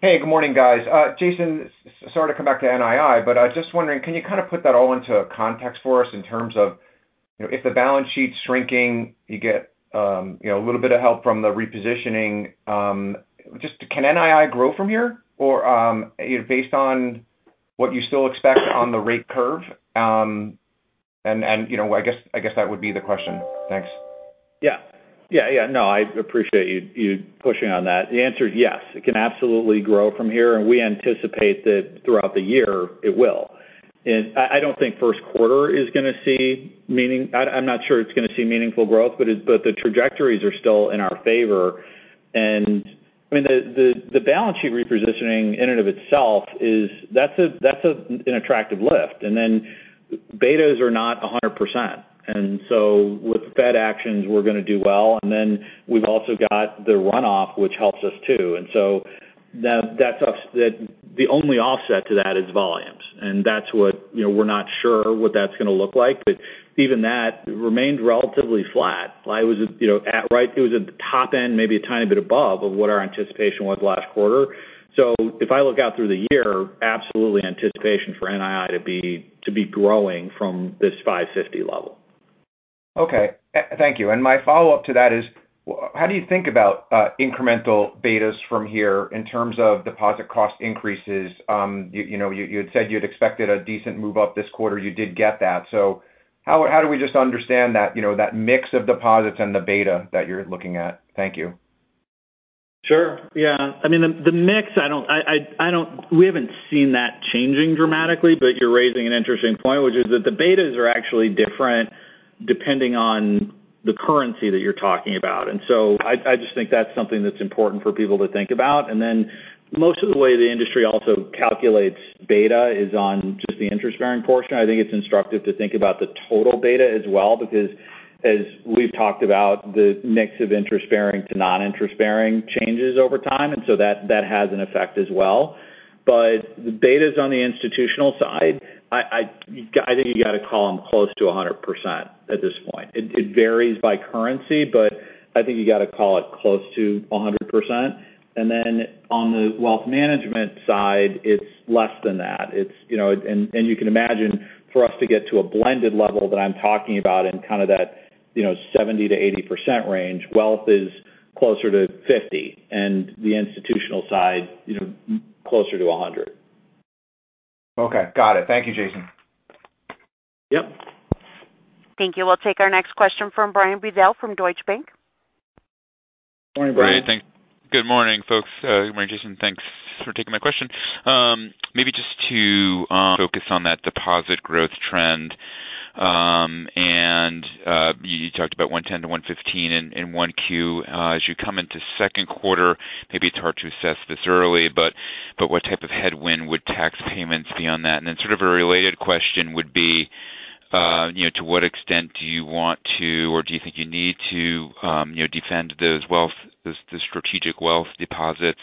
Hey, good morning, guys. Jason, sorry to come back to NII, but I was just wondering, can you kind of put that all into context for us in terms of, you know, if the balance sheet's shrinking, you get, you know, a little bit of help from the repositioning, just can NII grow from here? You know, based on what you still expect on the rate curve, and, you know, I guess that would be the question. Thanks.
Yeah. Yeah, yeah. No, I appreciate you pushing on that. The answer is yes. It can absolutely grow from here, and we anticipate that throughout the year it will. I'm not sure it's gonna see meaningful growth, but the trajectories are still in our favor. I mean, the balance sheet repositioning in and of itself is that's a an attractive lift. Then betas are not 100%. So with Fed actions, we're gonna do well. Then we've also got the runoff, which helps us too. So that's us. The only offset to that is volumes, and that's what, you know, we're not sure what that's gonna look like. Even that remained relatively flat. It was, you know, it was at the top end, maybe a tiny bit above of what our anticipation was last quarter. If I look out through the year, absolutely anticipation for NII to be growing from this $550 level.
Okay. Thank you. My follow-up to that is how do you think about incremental betas from here in terms of deposit cost increases? You know, you had said you'd expected a decent move up this quarter. You did get that. How do we just understand that, you know, that mix of deposits and the beta that you're looking at? Thank you.
Sure. Yeah. I mean, the mix, I don't we haven't seen that changing dramatically, but you're raising an interesting point, which is that the betas are actually different depending on the currency that you're talking about. I just think that's something that's important for people to think about. Most of the way the industry also calculates beta is on just the interest-bearing portion. I think it's instructive to think about the total beta as well, because as we've talked about, the mix of interest-bearing to non-interest-bearing changes over time, so that has an effect as well. The betas on the institutional side, I think you gotta call them close to 100% at this point. It varies by currency, but I think you gotta call it close to 100%. On the wealth management side, it's less than that. It's, you know. You can imagine for us to get to a blended level that I'm talking about in kind of that, you know, 70%-80% range, wealth is closer to 50, and the institutional side, you know, closer to 100.
Okay. Got it. Thank you, Jason.
Yep.
Thank you. We'll take our next question from Brian Bedell from Deutsche Bank.
Morning, Brian.
Great. Good morning, folks. Good morning, Jason. Thanks for taking my question. Maybe just to focus on that deposit growth trend, and you talked about 110 to 115 in 1Q. As you come into 2Q, maybe it's hard to assess this early, but what type of headwind would tax payments be on that? Then sort of a related question would be, you know, to what extent do you want to or do you think you need to, you know, defend those wealth, the strategic wealth deposits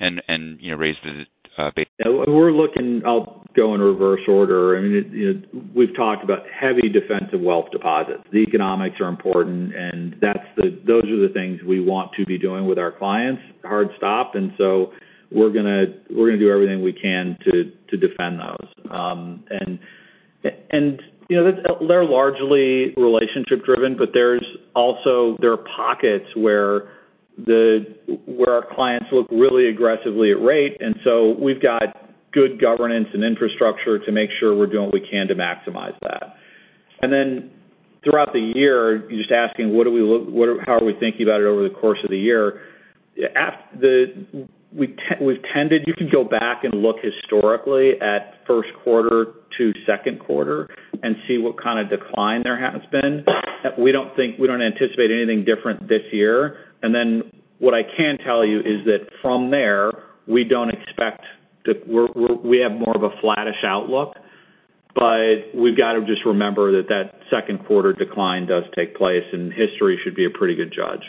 and, you know, raise the.
I'll go in reverse order. I mean, it, you know, we've talked about heavy defense of wealth deposits. The economics are important, those are the things we want to be doing with our clients, hard stop. We're gonna do everything we can to defend those. You know, they're largely relationship driven, but there are pockets where our clients look really aggressively at rate. We've got good governance and infrastructure to make sure we're doing what we can to maximize that. Throughout the year, you're just asking, how are we thinking about it over the course of the year? We've tended You can go back and look historically at first quarter to second quarter and see what kind of decline there has been. We don't anticipate anything different this year. What I can tell you is that from there, we have more of a flattish outlook, but we've got to just remember that that second quarter decline does take place, and history should be a pretty good judge.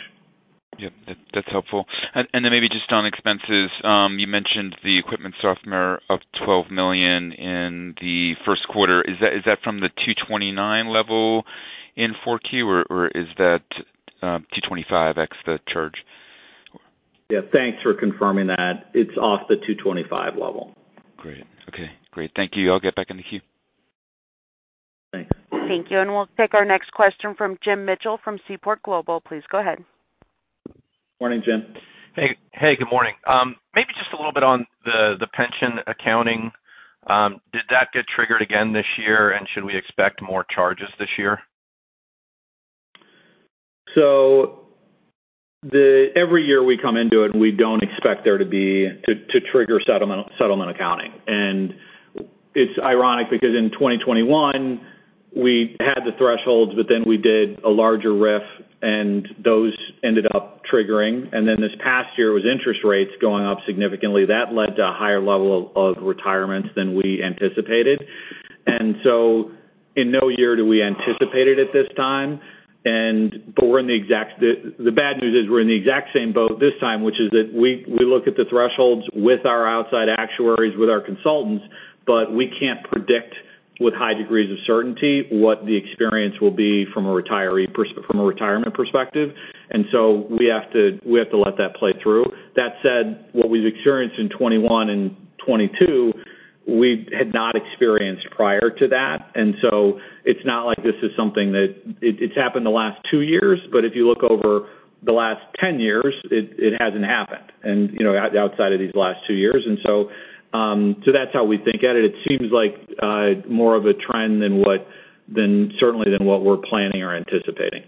Yeah. That's helpful. Then maybe just on expenses, you mentioned the equipment software of $12 million in the 1st quarter. Is that from the $229 level in 4Q, or is that $225 ex the charge?
Yeah, thanks for confirming that. It's off the 225 level.
Great. Okay, great. Thank you. I'll get back in the queue.
Thanks.
Thank you. We'll take our next question from Jim Mitchell from Seaport Global. Please go ahead.
Morning, Jim.
Hey, hey, good morning. Maybe just a little bit on the pension accounting, did that get triggered again this year, and should we expect more charges this year?
Every year we come into it, and we don't expect there to be to trigger settlement accounting. It's ironic because in 2021, we had the thresholds, but then we did a larger RIF, and those ended up triggering. This past year was interest rates going up significantly. That led to a higher level of retirements than we anticipated. In no year do we anticipate it at this time. We're in the exact same boat this time, which is that we look at the thresholds with our outside actuaries, with our consultants, but we can't predict with high degrees of certainty what the experience will be from a retirement perspective. We have to let that play through. That said, what we've experienced in 2021 and 2022, we had not experienced prior to that. It's not like this is something that. It's happened the last 2 years, but if you look over the last 10 years, it hasn't happened and, you know, outside of these last 2 years. That's how we think at it. It seems like more of a trend than certainly than what we're planning or anticipating.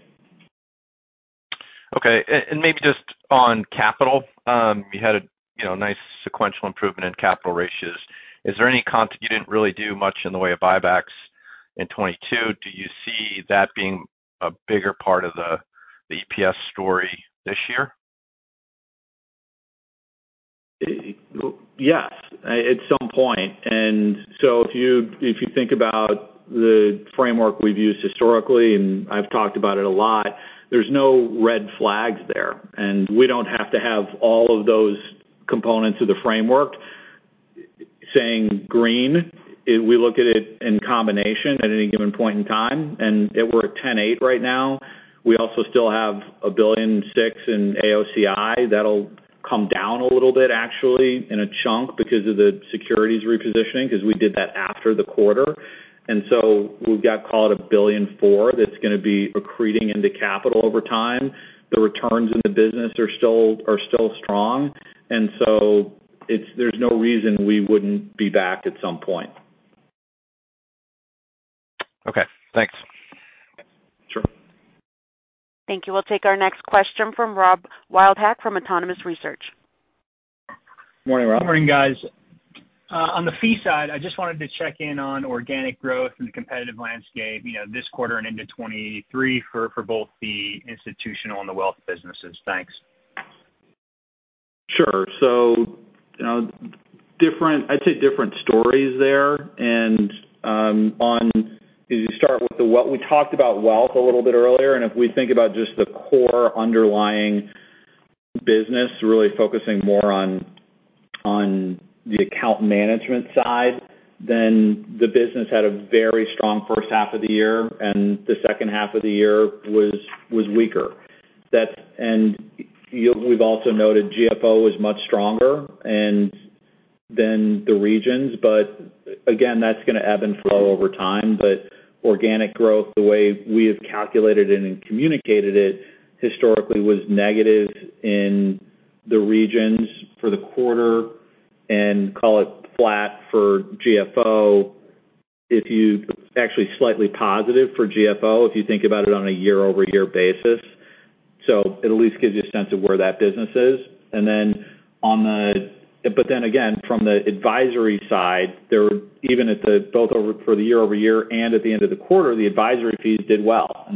Okay. Maybe just on capital, you had a, you know, nice sequential improvement in capital ratios. Is there any? You didn't really do much in the way of buybacks in 22. Do you see that being a bigger part of the EPS story this year?
Yes, at some point. If you think about the framework we've used historically, and I've talked about it a lot, there's no red flags there. We don't have to have all of those components of the framework saying green. We look at it in combination at any given point in time, and we're at 10.8 right now. We also still have $1.6 billion in AOCI. That'll come down a little bit actually in a chunk because of the securities repositioning, because we did that after the quarter. We've got, call it $1.4 billion that's gonna be accreting into capital over time. The returns in the business are still strong. There's no reason we wouldn't be back at some point.
Okay, thanks.
Sure.
Thank you. We'll take our next question from Robert Wildhack from Autonomous Research.
Morning, Rob.
Morning, guys. On the fee side, I just wanted to check in on organic growth in the competitive landscape, you know, this quarter and into 23 for both the institutional and the wealth businesses. Thanks.
you know, I'd say different stories there. If you start with We talked about wealth a little bit earlier, and if we think about just the core underlying business, really focusing more on the account management side, the business had a very strong first half of the year, and the second half of the year was weaker. we've also noted GFO was much stronger than the regions, but again, that's gonna ebb and flow over time. Organic growth, the way we have calculated it and communicated it historically was negative in the regions for the quarter and call it flat for GFO. Actually slightly positive for GFO, if you think about it on a year-over-year basis. It at least gives you a sense of where that business is. From the advisory side, for the year-over-year and at the end of the quarter, the advisory fees did well.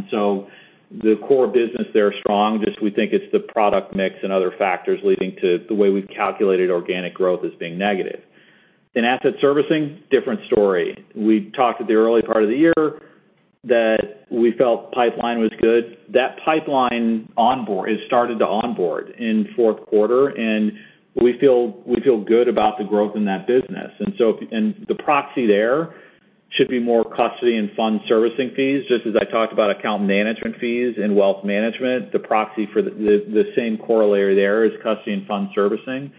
The core business there is strong, just we think it's the product mix and other factors leading to the way we've calculated organic growth as being negative. In asset servicing, different story. We talked at the early part of the year that we felt pipeline was good. That pipeline onboard has started to onboard in fourth quarter, we feel good about the growth in that business. The proxy there should be more custody and fund servicing fees. Just as I talked about account management fees and wealth management, the proxy for the same corollary there is custody and fund servicing.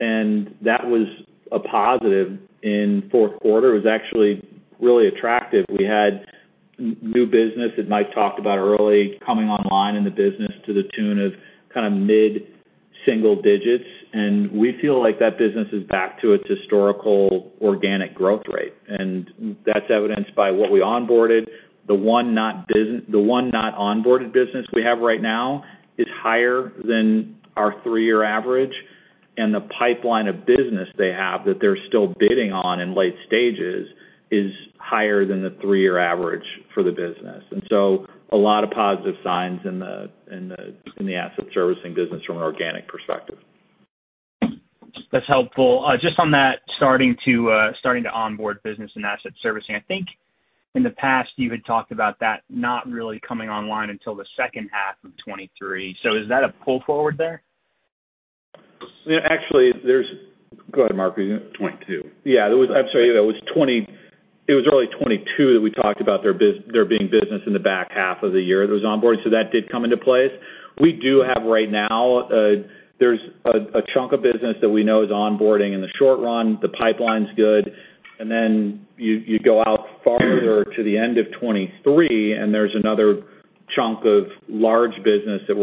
That was a positive in Q4. It was actually really attractive. We had new business that Mike talked about early coming online in the business to the tune of kind of mid-single digits, and we feel like that business is back to its historical organic growth rate. That's evidenced by what we onboarded. The 1 not onboarded business we have right now is higher than our 3-year average, and the pipeline of business they have that they're still bidding on in late stages is higher than the 3-year average for the business. A lot of positive signs in the asset servicing business from an organic perspective.
That's helpful. Just on that starting to onboard business and asset servicing. I think in the past you had talked about that not really coming online until the second half of 2023. Is that a pull forward there?
Actually, Go ahead, Mark.
Twenty-two.
Yeah. I'm sorry. It was really 2022 that we talked about their being business in the back half of the year that was onboard, so that did come into place. We do have, right now, there's a chunk of business that we know is onboarding in the short run. The pipeline's good. You, you go out farther to the end of 2023, and there's another chunk of large business that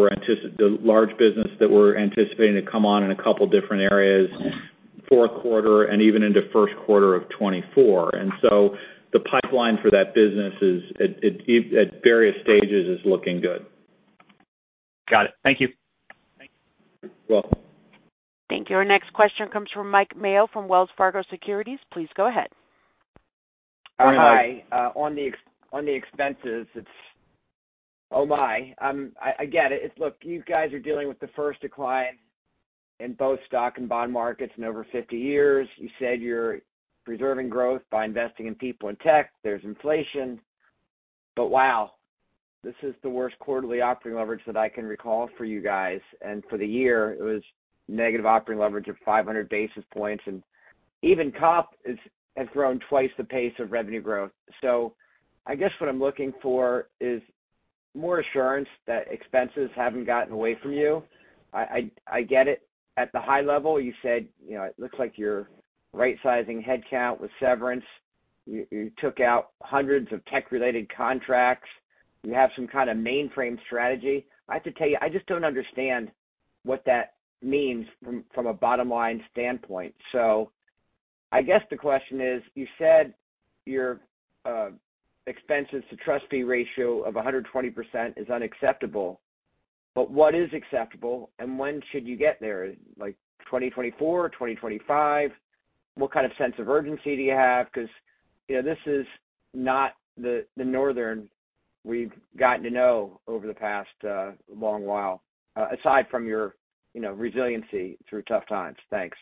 we're anticipating to come on in a couple different areas, fourth quarter and even into first quarter of 2024. The pipeline for that business is at various stages is looking good.
Got it. Thank you.
You're welcome.
Thank you. Our next question comes from Mike Mayo from Wells Fargo Securities. Please go ahead.
Hi. On the expenses, it's... Oh, my. I get it. Look, you guys are dealing with the first decline in both stock and bond markets in over 50 years. You said you're preserving growth by investing in people and tech. There's inflation. Wow, this is the worst quarterly operating leverage that I can recall for you guys. For the year, it was negative operating leverage of 500 basis points. Even COP has grown twice the pace of revenue growth. I guess what I'm looking for is more assurance that expenses haven't gotten away from you. I get it. At the high level, you said, you know, it looks like you're rightsizing headcount with severance. You took out hundreds of tech-related contracts. You have some kind of mainframe strategy. I have to tell you, I just don't understand what that means from a bottom-line standpoint. I guess the question is, you said your expenses-to-trust-fee ratio of 120% is unacceptable, but what is acceptable, and when should you get there? Like, 2024? 2025? What kind of sense of urgency do you have? You know, this is not the Northern we've gotten to know over the past long while, aside from your, you know, resiliency through tough times.
Thanks.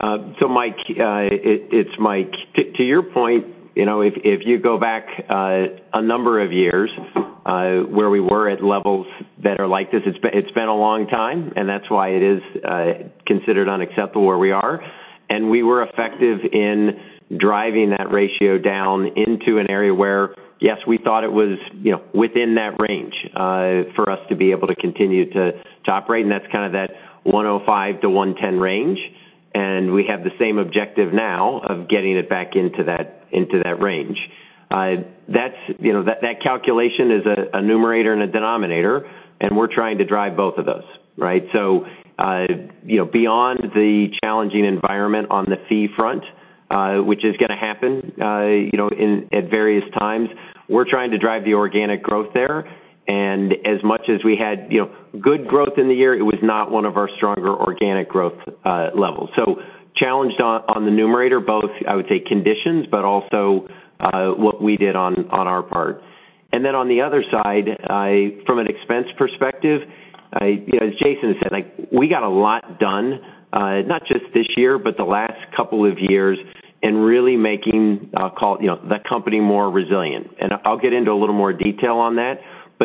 Mike, it's Mike. To your point, you know, if you go back a number of years, where we were at levels that are like this, it's been a long time, and that's why it is considered unacceptable where we are. We were effective in driving that ratio down into an area where, yes, we thought it was, you know, within that range, for us to be able to continue to operate, and that's kind of that 105-110 range. We have the same objective now of getting it back into that range. That's, you know, that calculation is a numerator and a denominator, and we're trying to drive both of those, right? You know, beyond the challenging environment on the fee front, which is gonna happen, you know, at various times, we're trying to drive the organic growth there. As much as we had, you know, good growth in the year, it was not one of our stronger organic growth levels. Challenged on the numerator, both, I would say conditions, but also, what we did on our part. On the other side, from an expense perspective, I, you know, as Jason said, like, we got a lot done, not just this year, but the last couple of years and really making, I'll call, you know, the company more resilient. I'll get into a little more detail on that.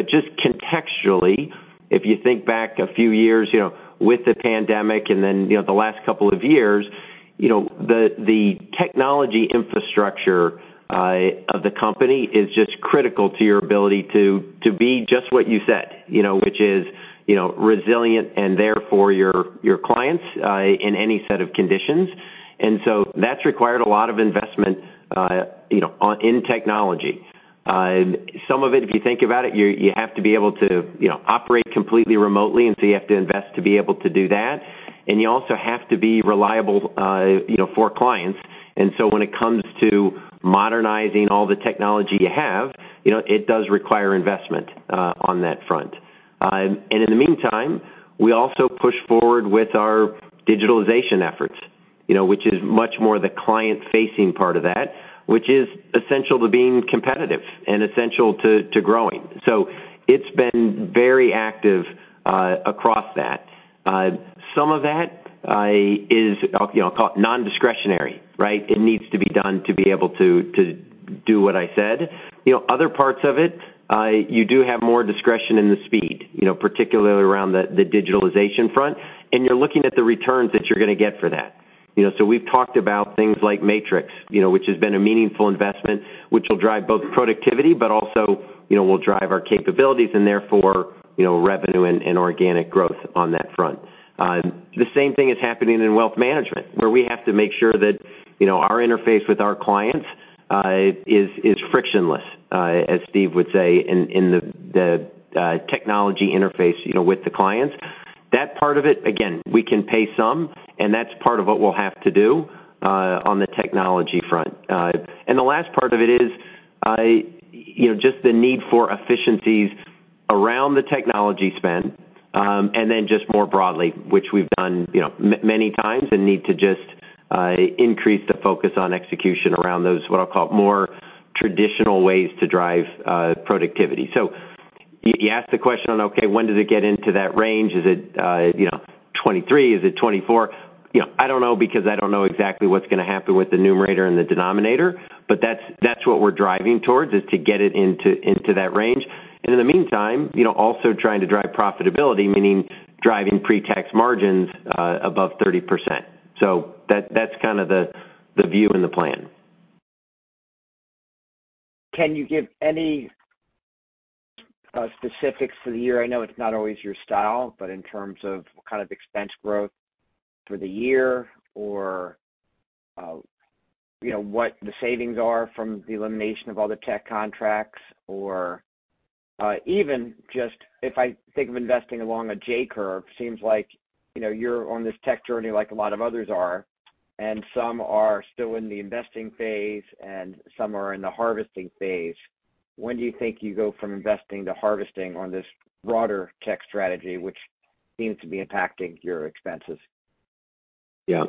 Just contextually, if you think back a few years, you know, with the pandemic and then, you know, the last couple of years, you know, the technology infrastructure of the company is just critical to your ability to be just what you said, you know, which is, you know, resilient and there for your clients in any set of conditions. That's required a lot of investment, you know, in technology. Some of it, if you think about it, you have to be able to, you know, operate completely remotely, and so you have to invest to be able to do that. You also have to be reliable, you know, for clients. When it comes to modernizing all the technology you have, you know, it does require investment, on that front. And in the meantime, we also push forward with our digitalization efforts, you know, which is much more the client-facing part of that, which is essential to being competitive and essential to growing. It's been very active, across that. Some of that, is, you know, I'll call it nondiscretionary, right? It needs to be done to be able to do what I said. You know, other parts of it, you do have more discretion in the speed, you know, particularly around the digitalization front, and you're looking at the returns that you're gonna get for that. You know, we've talked about things like Matrix, you know, which has been a meaningful investment, which will drive both productivity, but also, you know, will drive our capabilities and therefore, you know, revenue and organic growth on that front. The same thing is happening in wealth management, where we have to make sure that, you know, our interface with our clients, is frictionless, as Steve would say in the technology interface, you know, with the clients. That part of it, again, we can pay some, and that's part of what we'll have to do on the technology front. The last part of it is, you know, just the need for efficiencies around the technology spend, and then just more broadly, which we've done, you know, many times and need to just increase the focus on execution around those, what I'll call, more traditional ways to drive productivity. You, you asked the question on, okay, when does it get into that range? Is it, you know, 23? Is it 24? You know, I don't know because I don't know exactly what's gonna happen with the numerator and the denominator, but that's what we're driving towards, is to get it into that range. In the meantime, you know, also trying to drive profitability, meaning driving pre-tax margins, above 30%. That's kind of the view and the plan.
Can you give any specifics for the year? I know it's not always your style, but in terms of what kind of expense growth for the year or, you know, what the savings are from the elimination of all the tech contracts, or even just if I think of investing along a J curve, seems like, you know, you're on this tech journey like a lot of others are, and some are still in the investing phase, and some are in the harvesting phase. When do you think you go from investing to harvesting on this broader tech strategy, which seems to be impacting your expenses?
Yeah.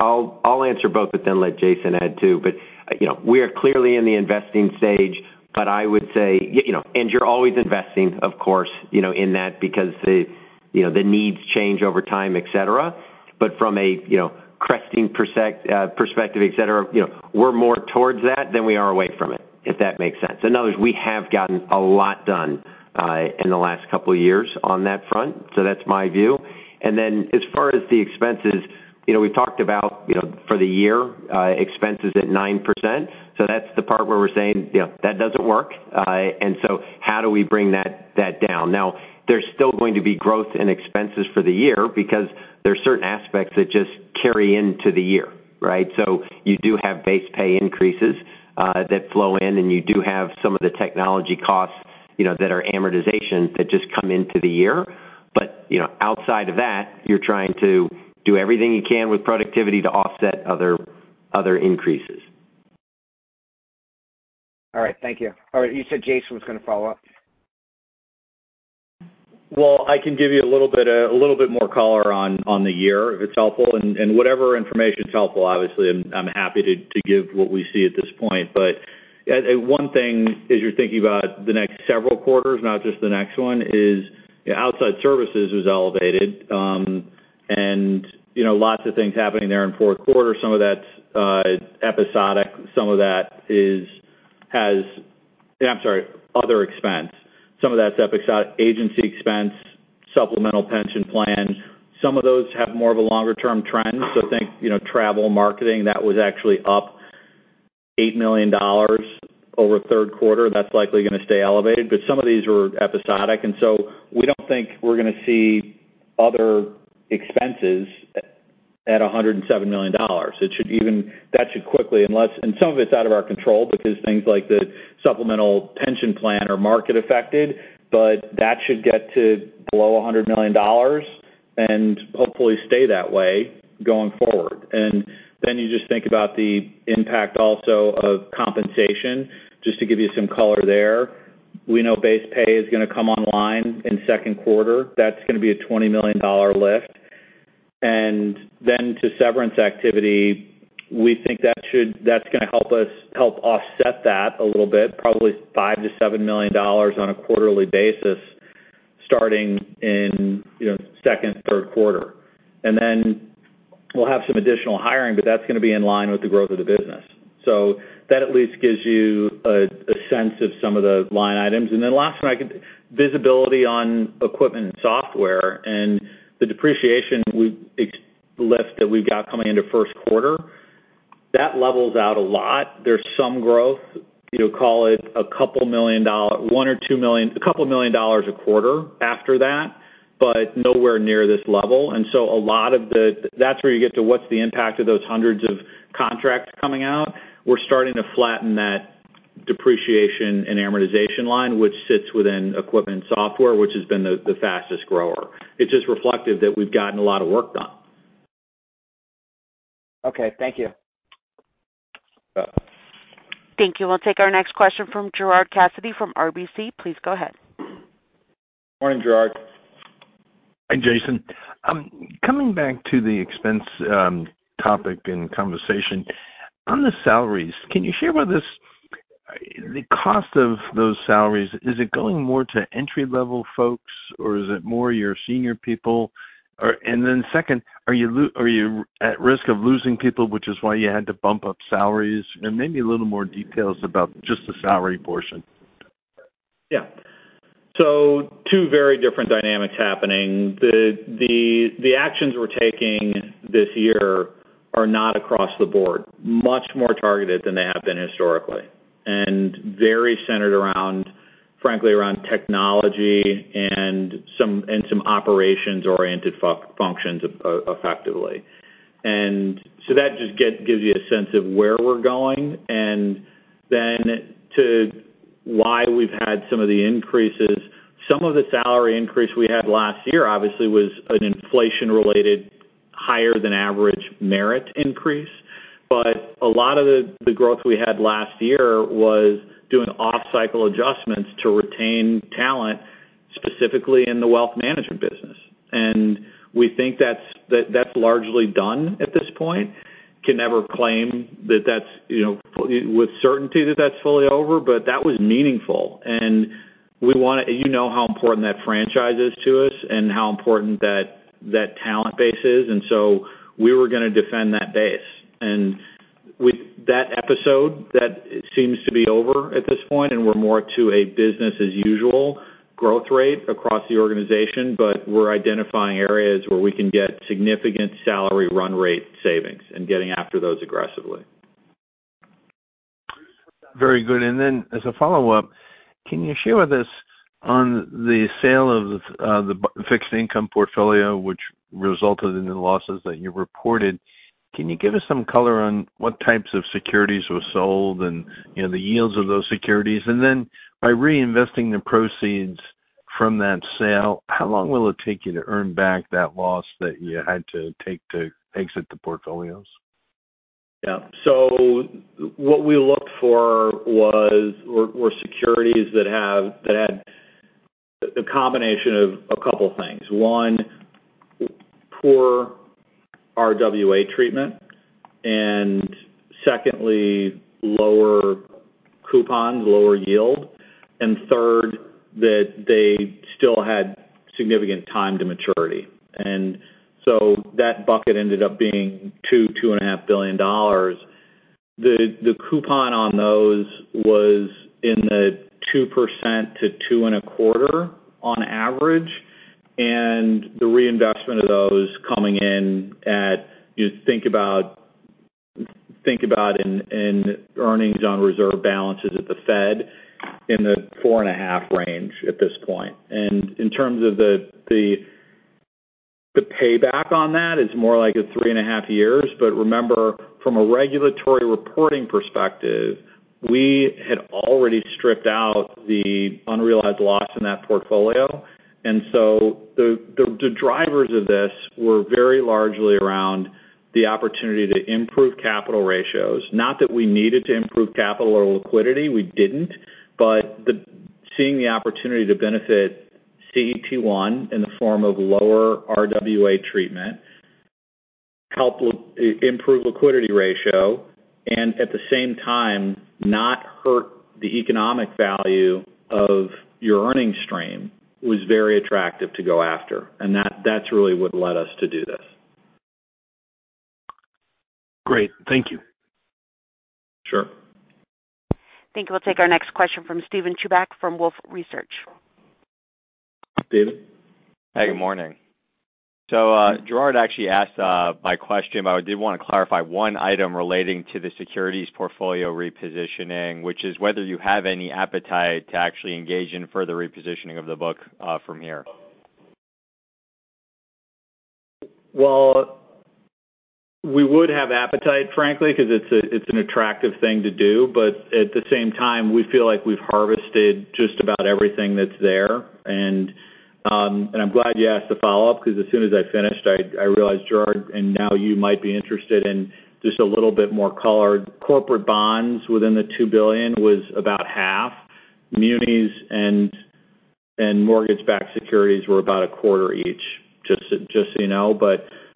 I'll answer both, but then let Jason add too. You know, we are clearly in the investing stage, but I would say, you know, and you're always investing, of course, you know, in that because the, you know, the needs change over time, et cetera. From a, you know, cresting perspective, et cetera, you know, we're more towards that than we are away from it, if that makes sense. In other words, we have gotten a lot done in the last couple of years on that front. That's my view. As far as the expenses, you know, we've talked about, you know, for the year, expenses at 9%. That's the part where we're saying, you know, that doesn't work. How do we bring that down? There's still going to be growth in expenses for the year because there are certain aspects that just carry into the year, right? You do have base pay increases, that flow in, and you do have some of the technology costs, you know, that are amortization that just come into the year. You know, outside of that, you're trying to do everything you can with productivity to offset other increases.
All right. Thank you. All right. You said Jason was gonna follow up.
Well, I can give you a little bit, a little bit more color on the year if it's helpful. Whatever information's helpful, obviously, I'm happy to give what we see at this point. One thing as you're thinking about the next several quarters, not just the next one is, yeah, outside services was elevated, and you know, lots of things happening there in fourth quarter. Some of that's episodic. Some of that is other expense. Some of that's agency expense, supplemental pension plan. Some of those have more of a longer term trend. Think, you know, travel, marketing, that was actually up $8 million over third quarter. That's likely gonna stay elevated. Some of these were episodic, we don't think we're going to see other expenses at $107 million. That should quickly unless some of it's out of our control because things like the supplemental pension plan are market affected, but that should get to below $100 million and hopefully stay that way going forward. You just think about the impact also of compensation, just to give you some color there. We know base pay is going to come online in second quarter. That's going to be a $20 million lift. To severance activity, we think that's going to help us help offset that a little bit, probably $5 million-$7 million on a quarterly basis, starting in, you know, second, third quarter. Then we'll have some additional hiring, but that's gonna be in line with the growth of the business. That at least gives you a sense of some of the line items. Then last one I can. Visibility on equipment and software and the depreciation we've lift that we've got coming into first quarter, that levels out a lot. There's some growth, you know, call it $2 million, $1 million-$2 million, $2 million a quarter after that, but nowhere near this level. A lot of the. That's where you get to what's the impact of those hundreds of contracts coming out. We're starting to flatten that depreciation and amortization line, which sits within equipment software, which has been the fastest grower. It's just reflective that we've gotten a lot of work done.
Okay, thank you.
Yeah.
Thank you. We'll take our next question from Gerard Cassidy from RBC. Please go ahead.
Morning, Gerard.
Hi, Jason. Coming back to the expense topic and conversation, on the salaries, can you share with us the cost of those salaries? Is it going more to entry-level folks, or is it more your senior people? Then second, are you at risk of losing people, which is why you had to bump up salaries? Maybe a little more details about just the salary portion?
Yeah. Two very different dynamics happening. The actions we're taking this year are not across the board, much more targeted than they have been historically, and very centered around, frankly, around technology and some operations-oriented functions effectively. That just gives you a sense of where we're going. To why we've had some of the increases, some of the salary increase we had last year, obviously, was an inflation-related higher than average merit increase. A lot of the growth we had last year was doing off-cycle adjustments to retain talent, specifically in the wealth management business. We think that's largely done at this point. Can never claim that that's, you know, with certainty that that's fully over, but that was meaningful. You know how important that franchise is to us and how important that talent base is. We were gonna defend that base. With that episode, that seems to be over at this point, and we're more to a business as usual growth rate across the organization, but we're identifying areas where we can get significant salary run rate savings and getting after those aggressively.
Very good. As a follow-up, can you share with us on the sale of the fixed income portfolio, which resulted in the losses that you reported, can you give us some color on what types of securities were sold and, you know, the yields of those securities? By reinvesting the proceeds from that sale, how long will it take you to earn back that loss that you had to take to exit the portfolios?
What we looked for were securities that had a combination of a couple things. One, poor RWA treatment. Secondly, lower coupons, lower yield. Third, that they still had significant time to maturity. That bucket ended up being $2 billion-$2.5 billion. The coupon on those was in the 2% to 2.25% on average. The reinvestment of those coming in at, you think about in earnings on reserve balances at the Fed in the 4.5% range at this point. In terms of the payback on that is more like a three and a half years. Remember, from a regulatory reporting perspective, we had already stripped out the unrealized loss in that portfolio. The drivers of this were very largely around the opportunity to improve capital ratios. Not that we needed to improve capital or liquidity, we didn't. Seeing the opportunity to benefit CET1 in the form of lower RWA treatment helped improve liquidity ratio and at the same time, not hurt the economic value of your earning stream was very attractive to go after. That's really what led us to do this.
Great. Thank you.
Sure.
I think we'll take our next question from Steven Chuback from Wolfe Research.
Steven.
Hey, good morning. Gerard actually asked my question, but I did wanna clarify one item relating to the securities portfolio repositioning, which is whether you have any appetite to actually engage in further repositioning of the book from here.
Well, we would have appetite, frankly, 'cause it's an attractive thing to do. At the same time, we feel like we've harvested just about everything that's there. I'm glad you asked the follow-up 'cause as soon as I finished, I realized, Gerard, and now you might be interested in just a little bit more color. Corporate bonds within the $2 billion was about half. Munis and mortgage-backed securities were about a quarter each, just so you know.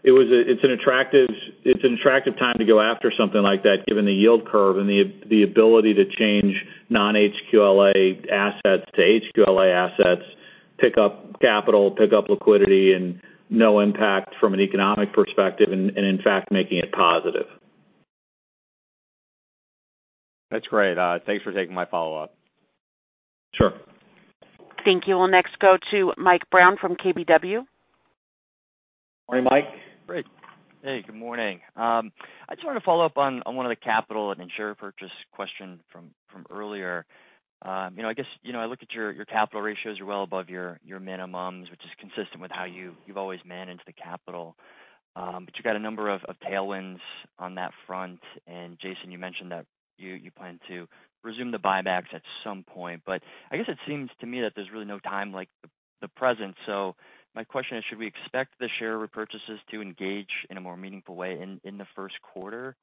It's an attractive time to go after something like that, given the yield curve and the ability to change non-HQLA assets to HQLA assets, pick up capital, pick up liquidity, and no impact from an economic perspective, and in fact, making it positive.
That's great. Thanks for taking my follow-up.
Sure.
Thank you. We'll next go to Michael Brown from KBW.
Morning, Mike.
Great. Hey, good morning. I just wanted to follow up on one of the capital and share repurchase question from earlier. You know, I guess, you know, I look at your capital ratios are well above your minimums, which is consistent with how you've always managed the capital. But you've got a number of tailwinds on that front. Jason, you mentioned that you plan to resume the buybacks at some point. I guess it seems to me that there's really no time like the present. My question is, should we expect the share repurchases to engage in a more meaningful way in the first quarter?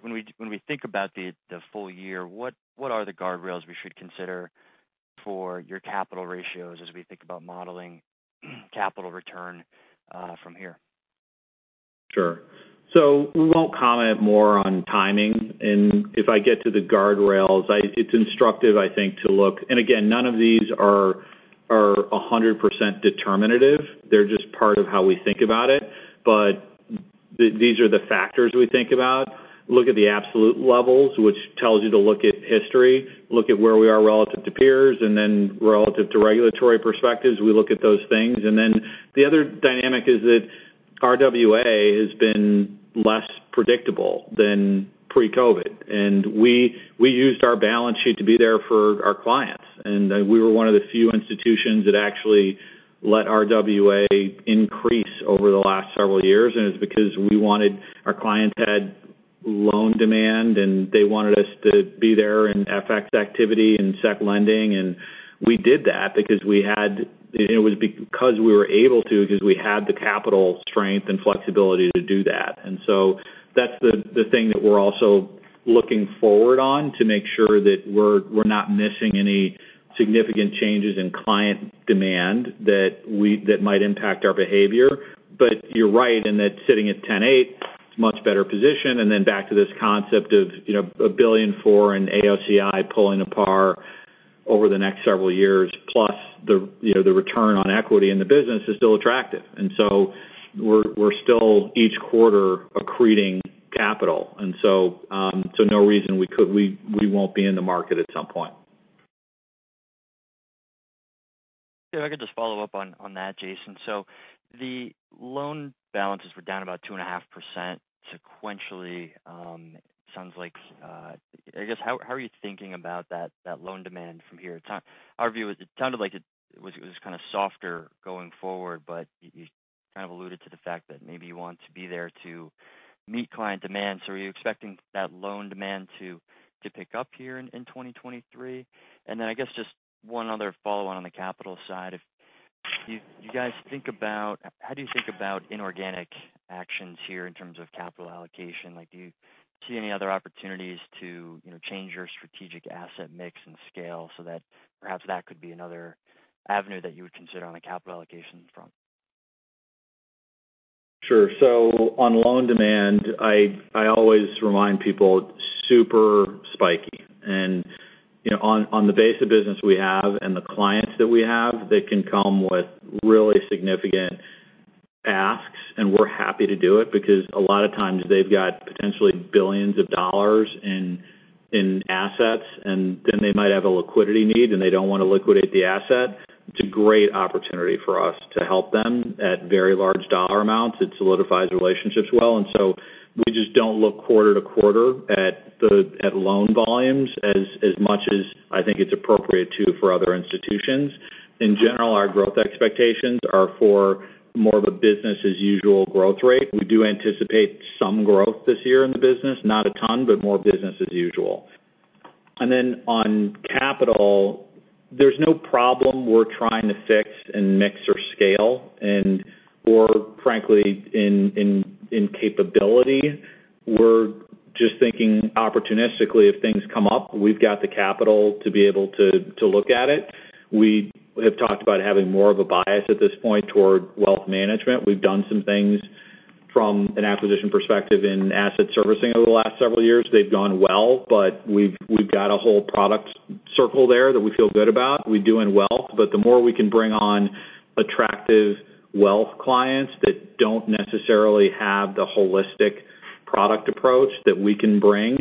When we think about the full year, what are the guardrails we should consider for your capital ratios as we think about modeling capital return from here?
Sure. We won't comment more on timing. If I get to the guardrails, it's instructive, I think, to look... Again, none of these are 100% determinative. They're just part of how we think about it. These are the factors we think about. Look at the absolute levels, which tells you to look at history, look at where we are relative to peers, then relative to regulatory perspectives, we look at those things. Then the other dynamic is that RWA has been less predictable than pre-COVID. We used our balance sheet to be there for our clients. We were one of the few institutions that actually let RWA increase over the last several years, and it's because we wanted our clients to have loan demand, and they wanted us to be there in FX activity and Securities lending. We did that because we were able to because we had the capital strength and flexibility to do that. That's the thing that we're also looking forward on to make sure that we're not missing any significant changes in client demand that might impact our behavior. You're right in that sitting at 10.8%, it's much better position. Back to this concept of, you know, $1 billion for an AOCI pulling apart over the next several years, plus the, you know, the return on equity in the business is still attractive. We're still each quarter accreting capital. No reason we won't be in the market at some point.
If I could just follow up on that, Jason. The loan balances were down about 2.5% sequentially. sounds like I guess, how are you thinking about that loan demand from here? Our view is it sounded like it was kind of softer going forward, but you kind of alluded to the fact that maybe you want to be there to meet client demand. Are you expecting that loan demand to pick up here in 2023? I guess just one other follow-on on the capital side. If you guys think about-- How do you think about inorganic actions here in terms of capital allocation? Like, do you see any other opportunities to, you know, change your strategic asset mix and scale so that perhaps that could be another avenue that you would consider on a capital allocation front?
On loan demand, I always remind people, super spiky. You know, on the base of business we have and the clients that we have, they can come with really significant asks, and we're happy to do it because a lot of times they've got potentially billions of dollars in assets, and then they might have a liquidity need, and they don't want to liquidate the asset. It's a great opportunity for us to help them at very large dollar amounts. It solidifies relationships well. We just don't look quarter-to-quarter at loan volumes as much as I think it's appropriate for other institutions. In general, our growth expectations are for more of a business as usual growth rate. We do anticipate some growth this year in the business. Not a ton, but more business as usual. Then on capital, there's no problem we're trying to fix in mix or scale and or frankly, in capability. We're just thinking opportunistically, if things come up, we've got the capital to be able to look at it. We have talked about having more of a bias at this point toward wealth management. We've done some things from an acquisition perspective in asset servicing over the last several years. They've gone well, but we've got a whole product circle there that we feel good about. We do in wealth. The more we can bring on attractive wealth clients that don't necessarily have the holistic product approach that we can bring,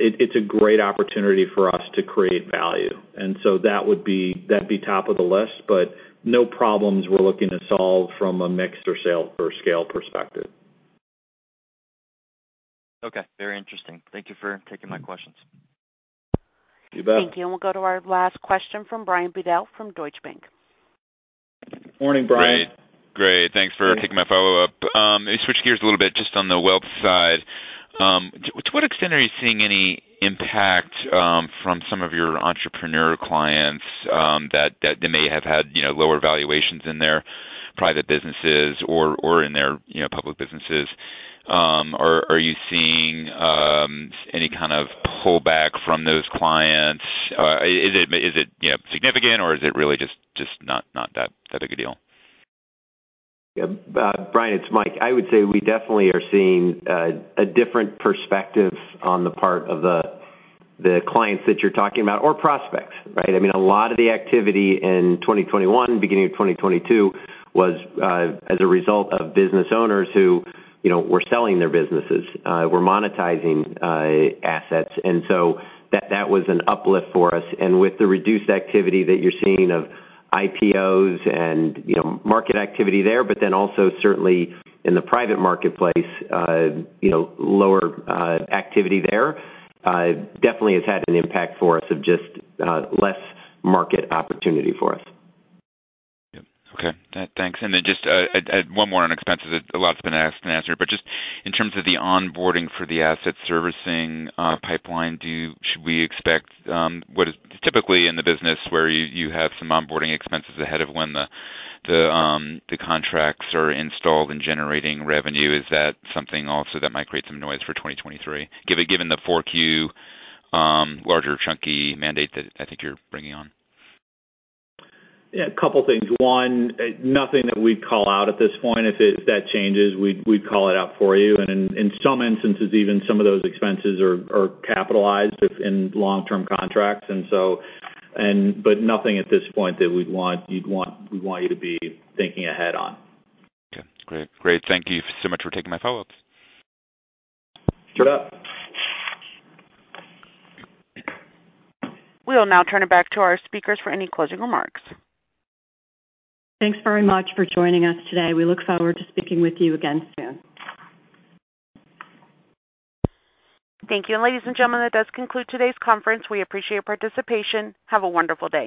it's a great opportunity for us to create value. That'd be top of the list, but no problems we're looking to solve from a mix or scale perspective.
Okay. Very interesting. Thank you for taking my questions.
You bet.
Thank you. We'll go to our last question from Brian Bedell from Deutsche Bank.
Morning, Brian.
Great. Thanks for taking my follow-up. Switch gears a little bit just on the wealth side. To what extent are you seeing any impact from some of your entrepreneur clients that they may have had, you know, lower valuations in their private businesses or in their, you know, public businesses? Are you seeing any kind of pullback from those clients? Is it, you know, significant or is it really just not that big a deal?
Yeah. Brian, it's Mike. I would say we definitely are seeing a different perspective on the part of the clients that you're talking about or prospects, right? I mean, a lot of the activity in 2021, beginning of 2022 was as a result of business owners who, you know, were selling their businesses, were monetizing assets. That was an uplift for us. With the reduced activity that you're seeing of IPOs and, you know, market activity there, also certainly in the private marketplace, you know, lower activity there, definitely has had an impact for us of just less market opportunity for us.
Yeah. Okay. Thanks. Then just one more on expenses. A lot's been asked and answered, but just in terms of the onboarding for the asset servicing pipeline, should we expect what is typically in the business where you have some onboarding expenses ahead of when the contracts are installed and generating revenue. Is that something also that might create some noise for 2023, given the 4Q larger chunky mandate that I think you're bringing on?
Yeah. A couple things. One, nothing that we'd call out at this point. If that changes, we'd call it out for you. In some instances, even some of those expenses are capitalized if in long-term contracts. Nothing at this point that we'd want you to be thinking ahead on.
Okay, great. Great. Thank you so much for taking my follow-ups.
Sure.
We'll now turn it back to our speakers for any closing remarks.
Thanks very much for joining us today. We look forward to speaking with you again soon.
Thank you. Ladies and gentlemen, that does conclude today's conference. We appreciate your participation. Have a wonderful day.